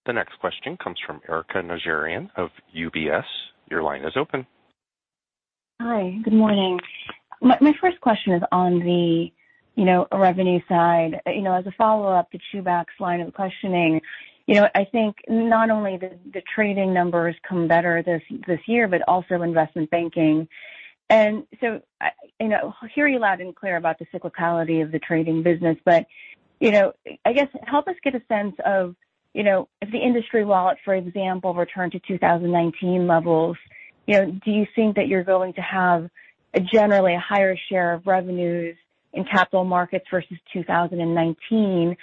The next question comes from Erika Najarian of UBS. Your line is open. Hi, good morning. My, my first question is on the, you know, revenue side. You know, as a follow-up to Chubak's line of questioning, you know, I think not only the, the trading numbers come better this, this year, but also investment Banking. And so, I, you know, hear you loud and clear about the cyclicality of the trading business. But, you know, I guess help us get a sense of, you know, if the industry wallet, for example, returned to 2019 levels, you know, do you think that you're going to have a generally higher share of revenues in capital markets versus 2019?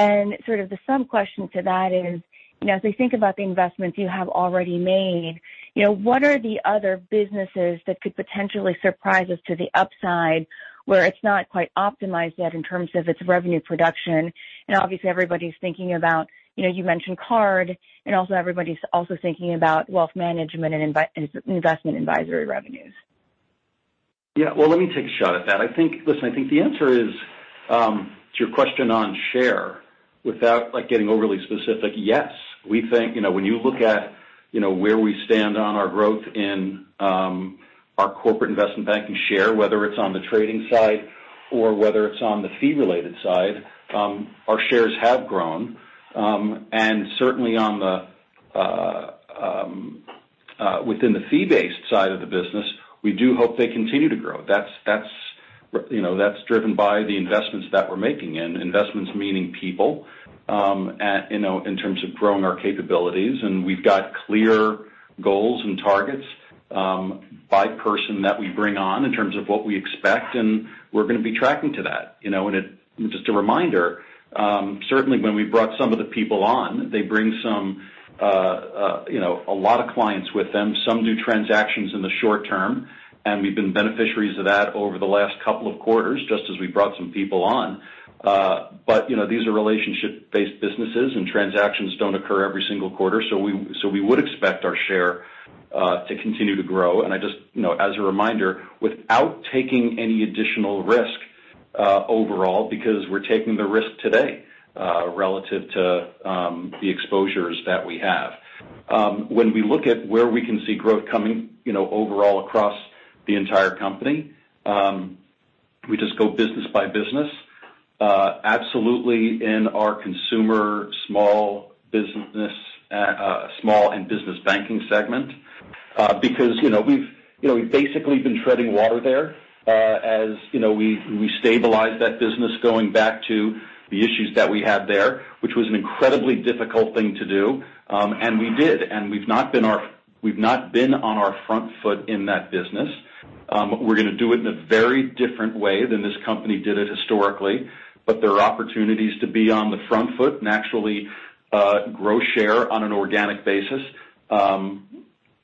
And sort of the sub-question to that is, you know, as we think about the investments you have already made, you know, what are the other businesses that could potentially surprise us to the upside, where it's not quite optimized yet in terms of its revenue production? And obviously, everybody's thinking about, you know, you mentioned card, and also everybody's also thinking about wealth management and investment advisory revenues. Yeah. Well, let me take a shot at that. I think... Listen, I think the answer is, to your question on share, without, like, getting overly specific, yes. We think, you know, when you look at, you know, where we stand on our Corporate and Investment Banking share, whether it's on the trading side or whether it's on the fee-related side, our shares have grown. And certainly on the, within the fee-based side of the business, we do hope they continue to grow. That's, that's, you know, that's driven by the investments that we're making, and investments meaning people, at, you know, in terms of growing our capabilities. We've got clear goals and targets, by person that we bring on in terms of what we expect, and we're gonna be tracking to that, you know, and it... Just a reminder, certainly, when we brought some of the people on, they bring some, you know, a lot of clients with them, some new transactions in the short term, and we've been beneficiaries of that over the last couple of quarters, just as we brought some people on. But, you know, these are relationship-based businesses, and transactions don't occur every single quarter, so we, so we would expect our share, to continue to grow. I just, you know, as a reminder, without taking any additional risk, overall, because we're taking the risk today, relative to, the exposures that we have. When we look at where we can see growth coming, you know, overall across the entire company, we just go business by business. Absolutely in our Consumer, Small and Business Banking segment, because, you know, we've, you know, we've basically been treading water there, as, you know, we stabilize that business going back to the issues that we had there, which was an incredibly difficult thing to do. And we did, and we've not been our-- we've not been on our front foot in that business. We're gonna do it in a very different way than this company did it historically, but there are opportunities to be on the front foot and actually grow share on an organic basis.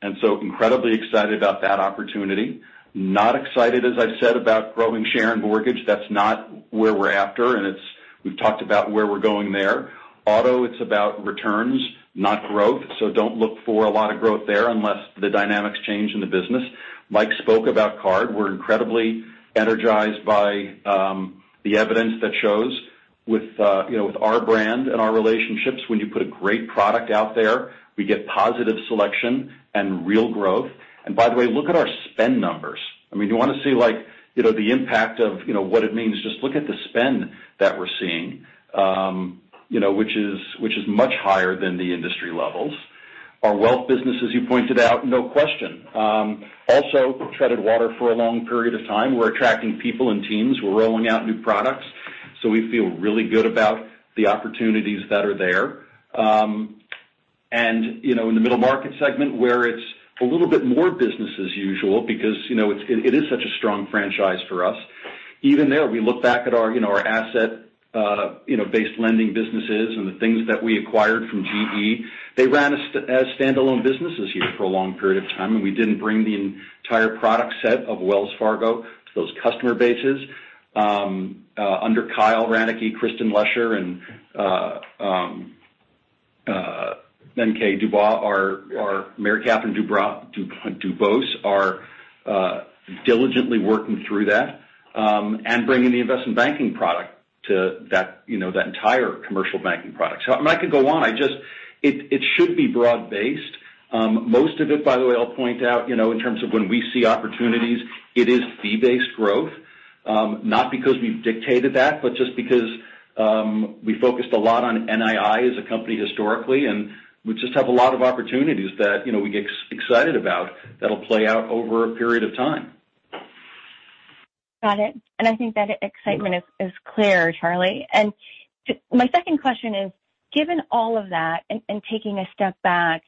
And so incredibly excited about that opportunity. Not excited, as I've said, about growing share in mortgage. That's not where we're after, and it's, we've talked about where we're going there. Auto, it's about returns, not growth, so don't look for a lot of growth there unless the dynamics change in the business. Mike spoke about card. We're incredibly energized by, the evidence that shows with, you know, with our brand and our relationships, when you put a great product out there, we get positive selection and real growth. And by the way, look at our spend numbers. I mean, you want to see, like, you know, the impact of, you know, what it means, just look at the spend that we're seeing, you know, which is, which is much higher than the industry levels. Our wealth business, as you pointed out, no question. Also treaded water for a long period of time. We're attracting people and teams. We're rolling out new products, so we feel really good about the opportunities that are there. And, you know, in the middle market segment, where it's a little bit more business as usual because, you know, it's, it is such a strong franchise for us. Even there, we look back at our, you know, our asset, you know, based lending businesses and the things that we acquired from GE, they ran as standalone businesses here for a long period of time, and we didn't bring the entire product set of Wells Fargo to those customer bases. Under Kyle Hranicky, Kristin Lesher, and then K DuBose, our Mary Katherine DuBose, our diligently working through that, and bringing the investment Banking product to that, you know, that entire Commercial Banking product. So and I could go on. It should be broad-based. Most of it, by the way, I'll point out, you know, in terms of when we see opportunities, it is fee-based growth. Not because we've dictated that, but just because, we focused a lot on NII as a company historically, and we just have a lot of opportunities that, you know, we get excited about that'll play out over a period of time. Got it. And I think that excitement is clear, Charlie. My second question is: Given all of that and taking a step back,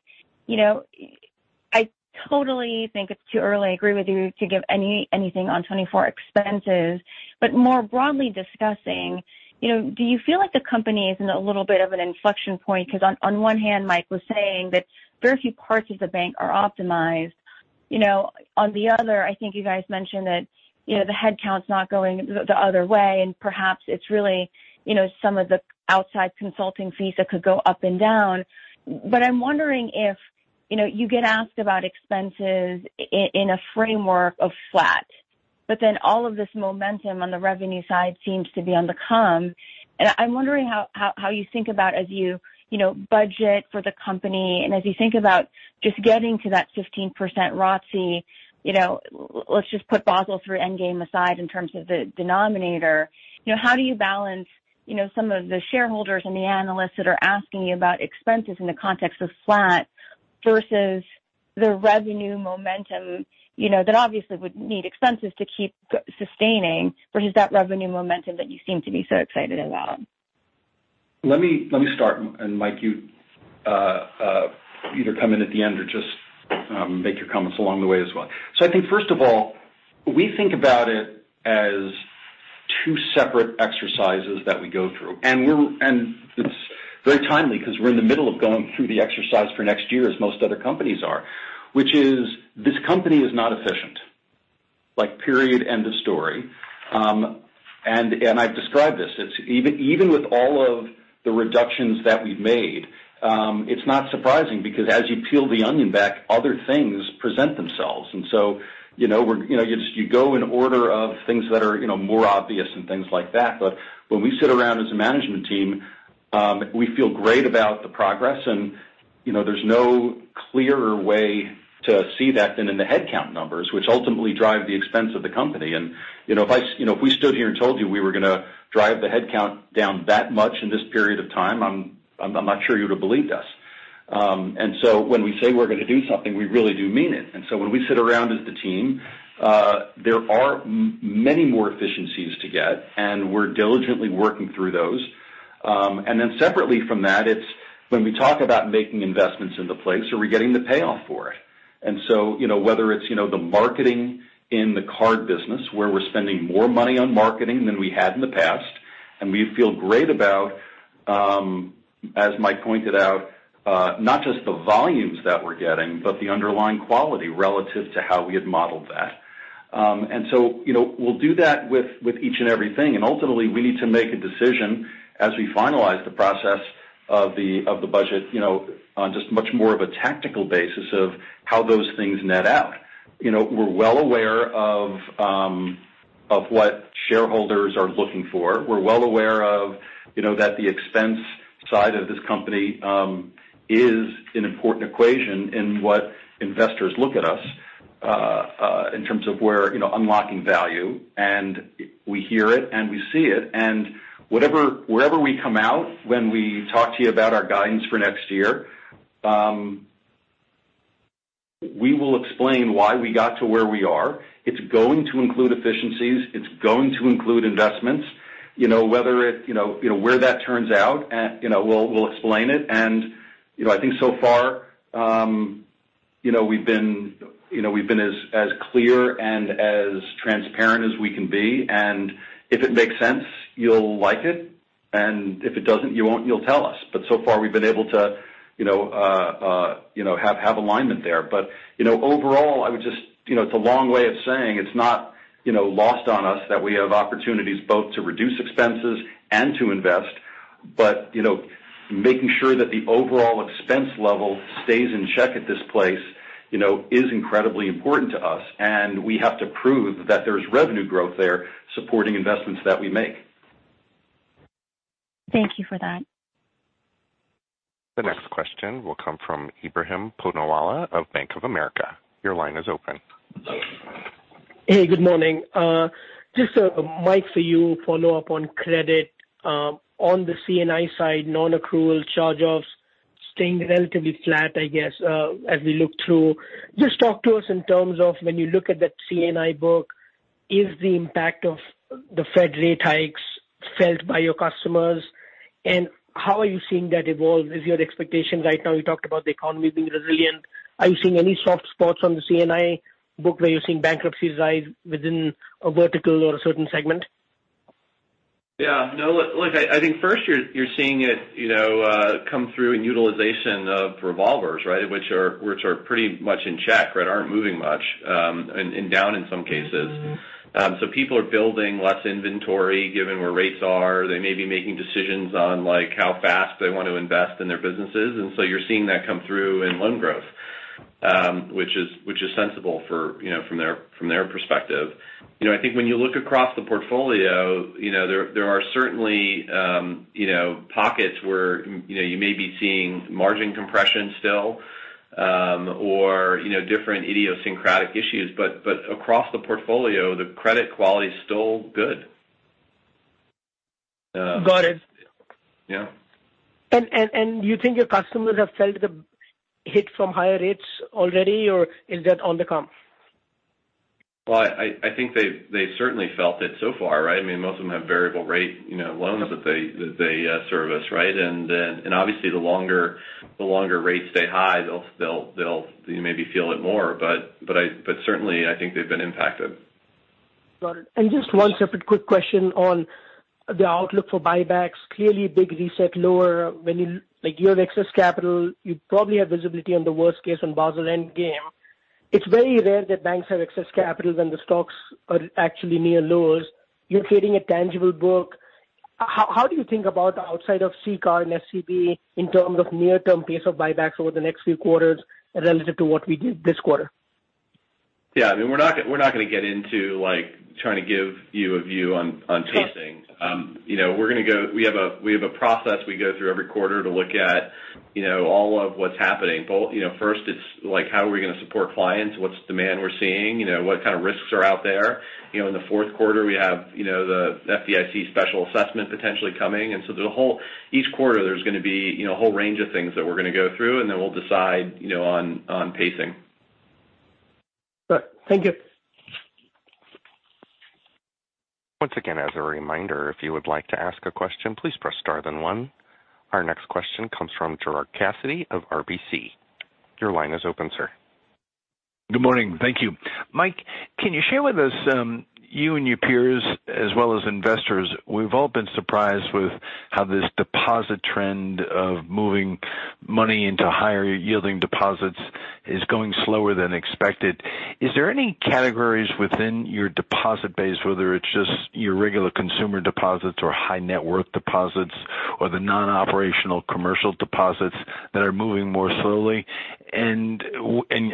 you know, I totally think it's too early, I agree with you, to give anything on 2024 expenses. But more broadly discussing, you know, do you feel like the company is in a little bit of an inflection point? 'Cause on one hand, Mike was saying that very few parts of the bank are optimized. You know, on the other, I think you guys mentioned that, you know, the headcount's not going the other way, and perhaps it's really, you know, some of the outside consulting fees that could go up and down. But I'm wondering if, you know, you get asked about expenses in a framework of flat, but then all of this momentum on the revenue side seems to be on the come, and I'm wondering how you think about as you, you know, budget for the company, and as you think about just getting to that 15% ROTCE, you know, let's just put Basel III Endgame aside in terms of the denominator. You know, how do you balance, you know, some of the shareholders and the analysts that are asking you about expenses in the context of flat versus the revenue momentum, you know, that obviously would need expenses to keep sustaining versus that revenue momentum that you seem to be so excited about? Let me start, and Mike, you either come in at the end or just make your comments along the way as well. I think first of all, we think about it as two separate exercises that we go through, and it's very timely 'cause we're in the middle of going through the exercise for next year, as most other companies are, which is this company is not efficient. Like, period, end of story. I've described this. It's even, even with all of the reductions that we've made, it's not surprising, because as you peel the onion back, other things present themselves. You know, you just, you go in order of things that are, you know, more obvious and things like that. When we sit around as a management team, we feel great about the progress, and, you know, there's no clearer way to see that than in the headcount numbers, which ultimately drive the expense of the company. You know, if we stood here and told you we were gonna drive the headcount down that much in this period of time, I'm not sure you would've believed us. You know, when we say we're gonna do something, we really do mean it. When we sit around as the team, there are many more efficiencies to get, and we're diligently working through those. Separately from that, it's when we talk about making investments in the place, are we getting the payoff for it? And so, you know, whether it's, you know, the marketing in the card business, where we're spending more money on marketing than we had in the past, and we feel great about, as Mike pointed out, not just the volumes that we're getting, but the underlying quality relative to how we had modeled that. And so, you know, we'll do that with each and every thing, and ultimately, we need to make a decision as we finalize the process of the budget, you know, on just much more of a tactical basis of how those things net out. You know, we're well aware of what shareholders are looking for. We're well aware of, you know, that the expense side of this company is an important equation in what investors look at us in terms of where, you know, unlocking value. And we hear it, and we see it, and wherever we come out when we talk to you about our guidance for next year, we will explain why we got to where we are. It's going to include efficiencies. It's going to include investments. You know, where that turns out, and, you know, we'll explain it. And, you know, I think so far, you know, we've been as clear and as transparent as we can be, and if it makes sense, you'll like it, and if it doesn't, you won't, you'll tell us. But so far, we've been able to, you know, you know, have alignment there. But, you know, overall, I would just, you know, it's a long way of saying it's not, you know, lost on us that we have opportunities both to reduce expenses and to invest. But, you know, making sure that the overall expense level stays in check at this place, you know, is incredibly important to us, and we have to prove that there's revenue growth there, supporting investments that we make. Thank you for that. The next question will come from Ebrahim Poonawala of Bank of America. Your line is open. Hey, good morning. Just, Mike, for you, follow up on credit. On the C&I side, nonaccrual charge-offs staying relatively flat, I guess, as we look through. Just talk to us in terms of when you look at that C&I book, is the impact of the Fed rate hikes felt by your customers, and how are you seeing that evolve? Is your expectation right now? You talked about the economy being resilient. Are you seeing any soft spots on the C&I book? Are you seeing bankruptcies rise within a vertical or a certain segment? Yeah. No, look, look, I, I think first you're, you're seeing it, you know, come through in utilization of revolvers, right? Which are, which are pretty much in check, but aren't moving much, and, and down in some cases. So people are building less inventory, given where rates are. They may be making decisions on, like, how fast they want to invest in their businesses, and so you're seeing that come through in long growth. Which is, which is sensible for, you know, from their, from their perspective. You know, I think when you look across the portfolio, you know, there, there are certainly, you know, pockets where, you know, you may be seeing margin compression still, or, you know, different idiosyncratic issues. But, but across the portfolio, the credit quality is still good. Got it. Yeah. You think your customers have felt the hit from higher rates already, or is that on the come? Well, I think they've certainly felt it so far, right? I mean, most of them have variable rate, you know, loans that they service, right? And then, and obviously, the longer rates stay high, they'll maybe feel it more. But I certainly think they've been impacted. Got it. And just one separate quick question on the outlook for buybacks. Clearly, big reset lower when you have excess capital, you probably have visibility on the worst case on Basel Endgame. It's very rare that banks have excess capital when the stocks are actually near lows. You're creating a tangible book. How, how do you think about outside of CCAR and SCB in terms of near-term pace of buybacks over the next few quarters relative to what we did this quarter? Yeah, I mean, we're not, we're not going to get into, like, trying to give you a view on, on pacing. Sure. You know, we're going to go. We have a process we go through every quarter to look at, you know, all of what's happening. Both, you know, first, it's like, how are we going to support clients? What's the demand we're seeing? You know, what kind of risks are out there? You know, in the fourth quarter, we have, you know, the FDIC special assessment potentially coming. And so each quarter, there's going to be, you know, a whole range of things that we're going to go through, and then we'll decide, you know, on, on pacing. Sure. Thank you. Once again, as a reminder, if you would like to ask a question, please press star then one. Our next question comes from Gerard Cassidy of RBC. Your line is open, sir. Good morning. Thank you. Mike, can you share with us, you and your peers, as well as investors, we've all been surprised with how this deposit trend of moving money into higher yielding deposits is going slower than expected. Is there any categories within your deposit base, whether it's just your regular consumer deposits or high net worth deposits, or the non-operational commercial deposits that are moving more slowly? And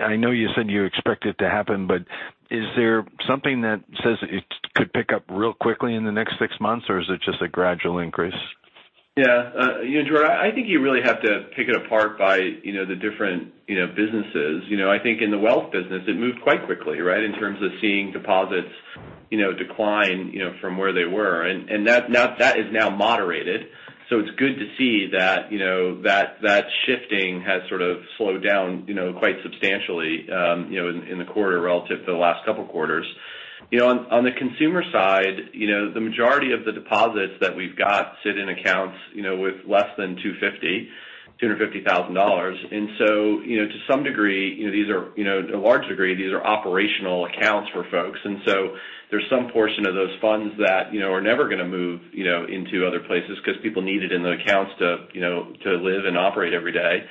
I know you said you expect it to happen, but is there something that says it could pick up real quickly in the next six months, or is it just a gradual increase? Yeah. You know, Gerard, I think you really have to pick it apart by, you know, the different, you know, businesses. You know, I think in the wealth business, it moved quite quickly, right, in terms of seeing deposits, you know, decline, you know, from where they were. And that is now moderated. So it's good to see that, you know, that shifting has sort of slowed down, you know, quite substantially in the quarter relative to the last couple of quarters. You know, on the Consumer side, you know, the majority of the deposits that we've got sit in accounts, you know, with less than $250,000. And so, you know, to some degree, you know, these are, you know, to a large degree, these are operational accounts for folks. There's some portion of those funds that, you know, are never going to move, you know, into other places because people need it in the accounts to, you know, to live and operate every day.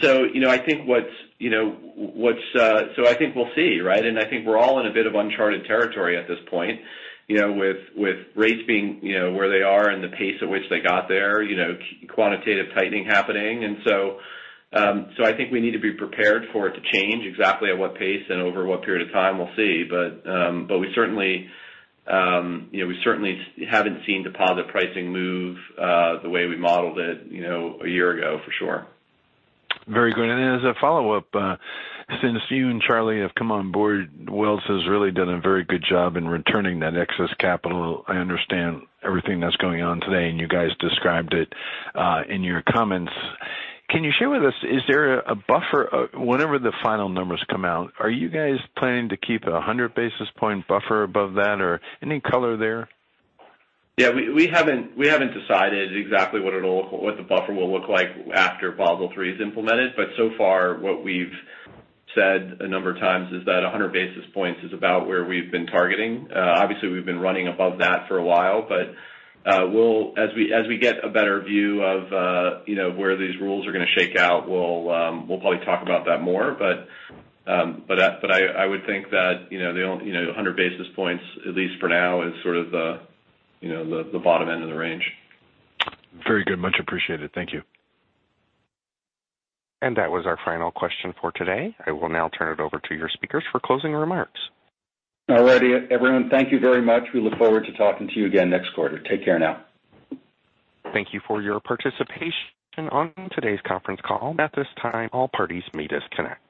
So, you know, I think what's, you know, what's... So I think we'll see, right? And I think we're all in a bit of uncharted territory at this point, you know, with rates being, you know, where they are and the pace at which they got there, you know, quantitative tightening happening. So, so I think we need to be prepared for it to change. Exactly at what pace and over what period of time, we'll see. But, but we certainly, you know, we certainly haven't seen deposit pricing move, the way we modeled it, you know, a year ago, for sure. Very good. As a follow-up, since you and Charlie have come on board, Wells has really done a very good job in returning that excess capital. I understand everything that's going on today, and you guys described it in your comments. Can you share with us, is there a buffer? Whenever the final numbers come out, are you guys planning to keep a 100 basis point buffer above that, or any color there? Yeah, we haven't decided exactly what the buffer will look like after Basel III is implemented. But so far, what we've said a number of times is that 100 basis points is about where we've been targeting. Obviously, we've been running above that for a while, but we'll, as we get a better view of, you know, where these rules are going to shake out, we'll probably talk about that more. But I would think that, you know, the only, you know, 100 basis points, at least for now, is sort of the, you know, the bottom end of the range. Very good. Much appreciated. Thank you. That was our final question for today. I will now turn it over to your speakers for closing remarks. All righty, everyone, thank you very much. We look forward to talking to you again next quarter. Take care now. Thank you for your participation on today's conference call. At this time, all parties may disconnect.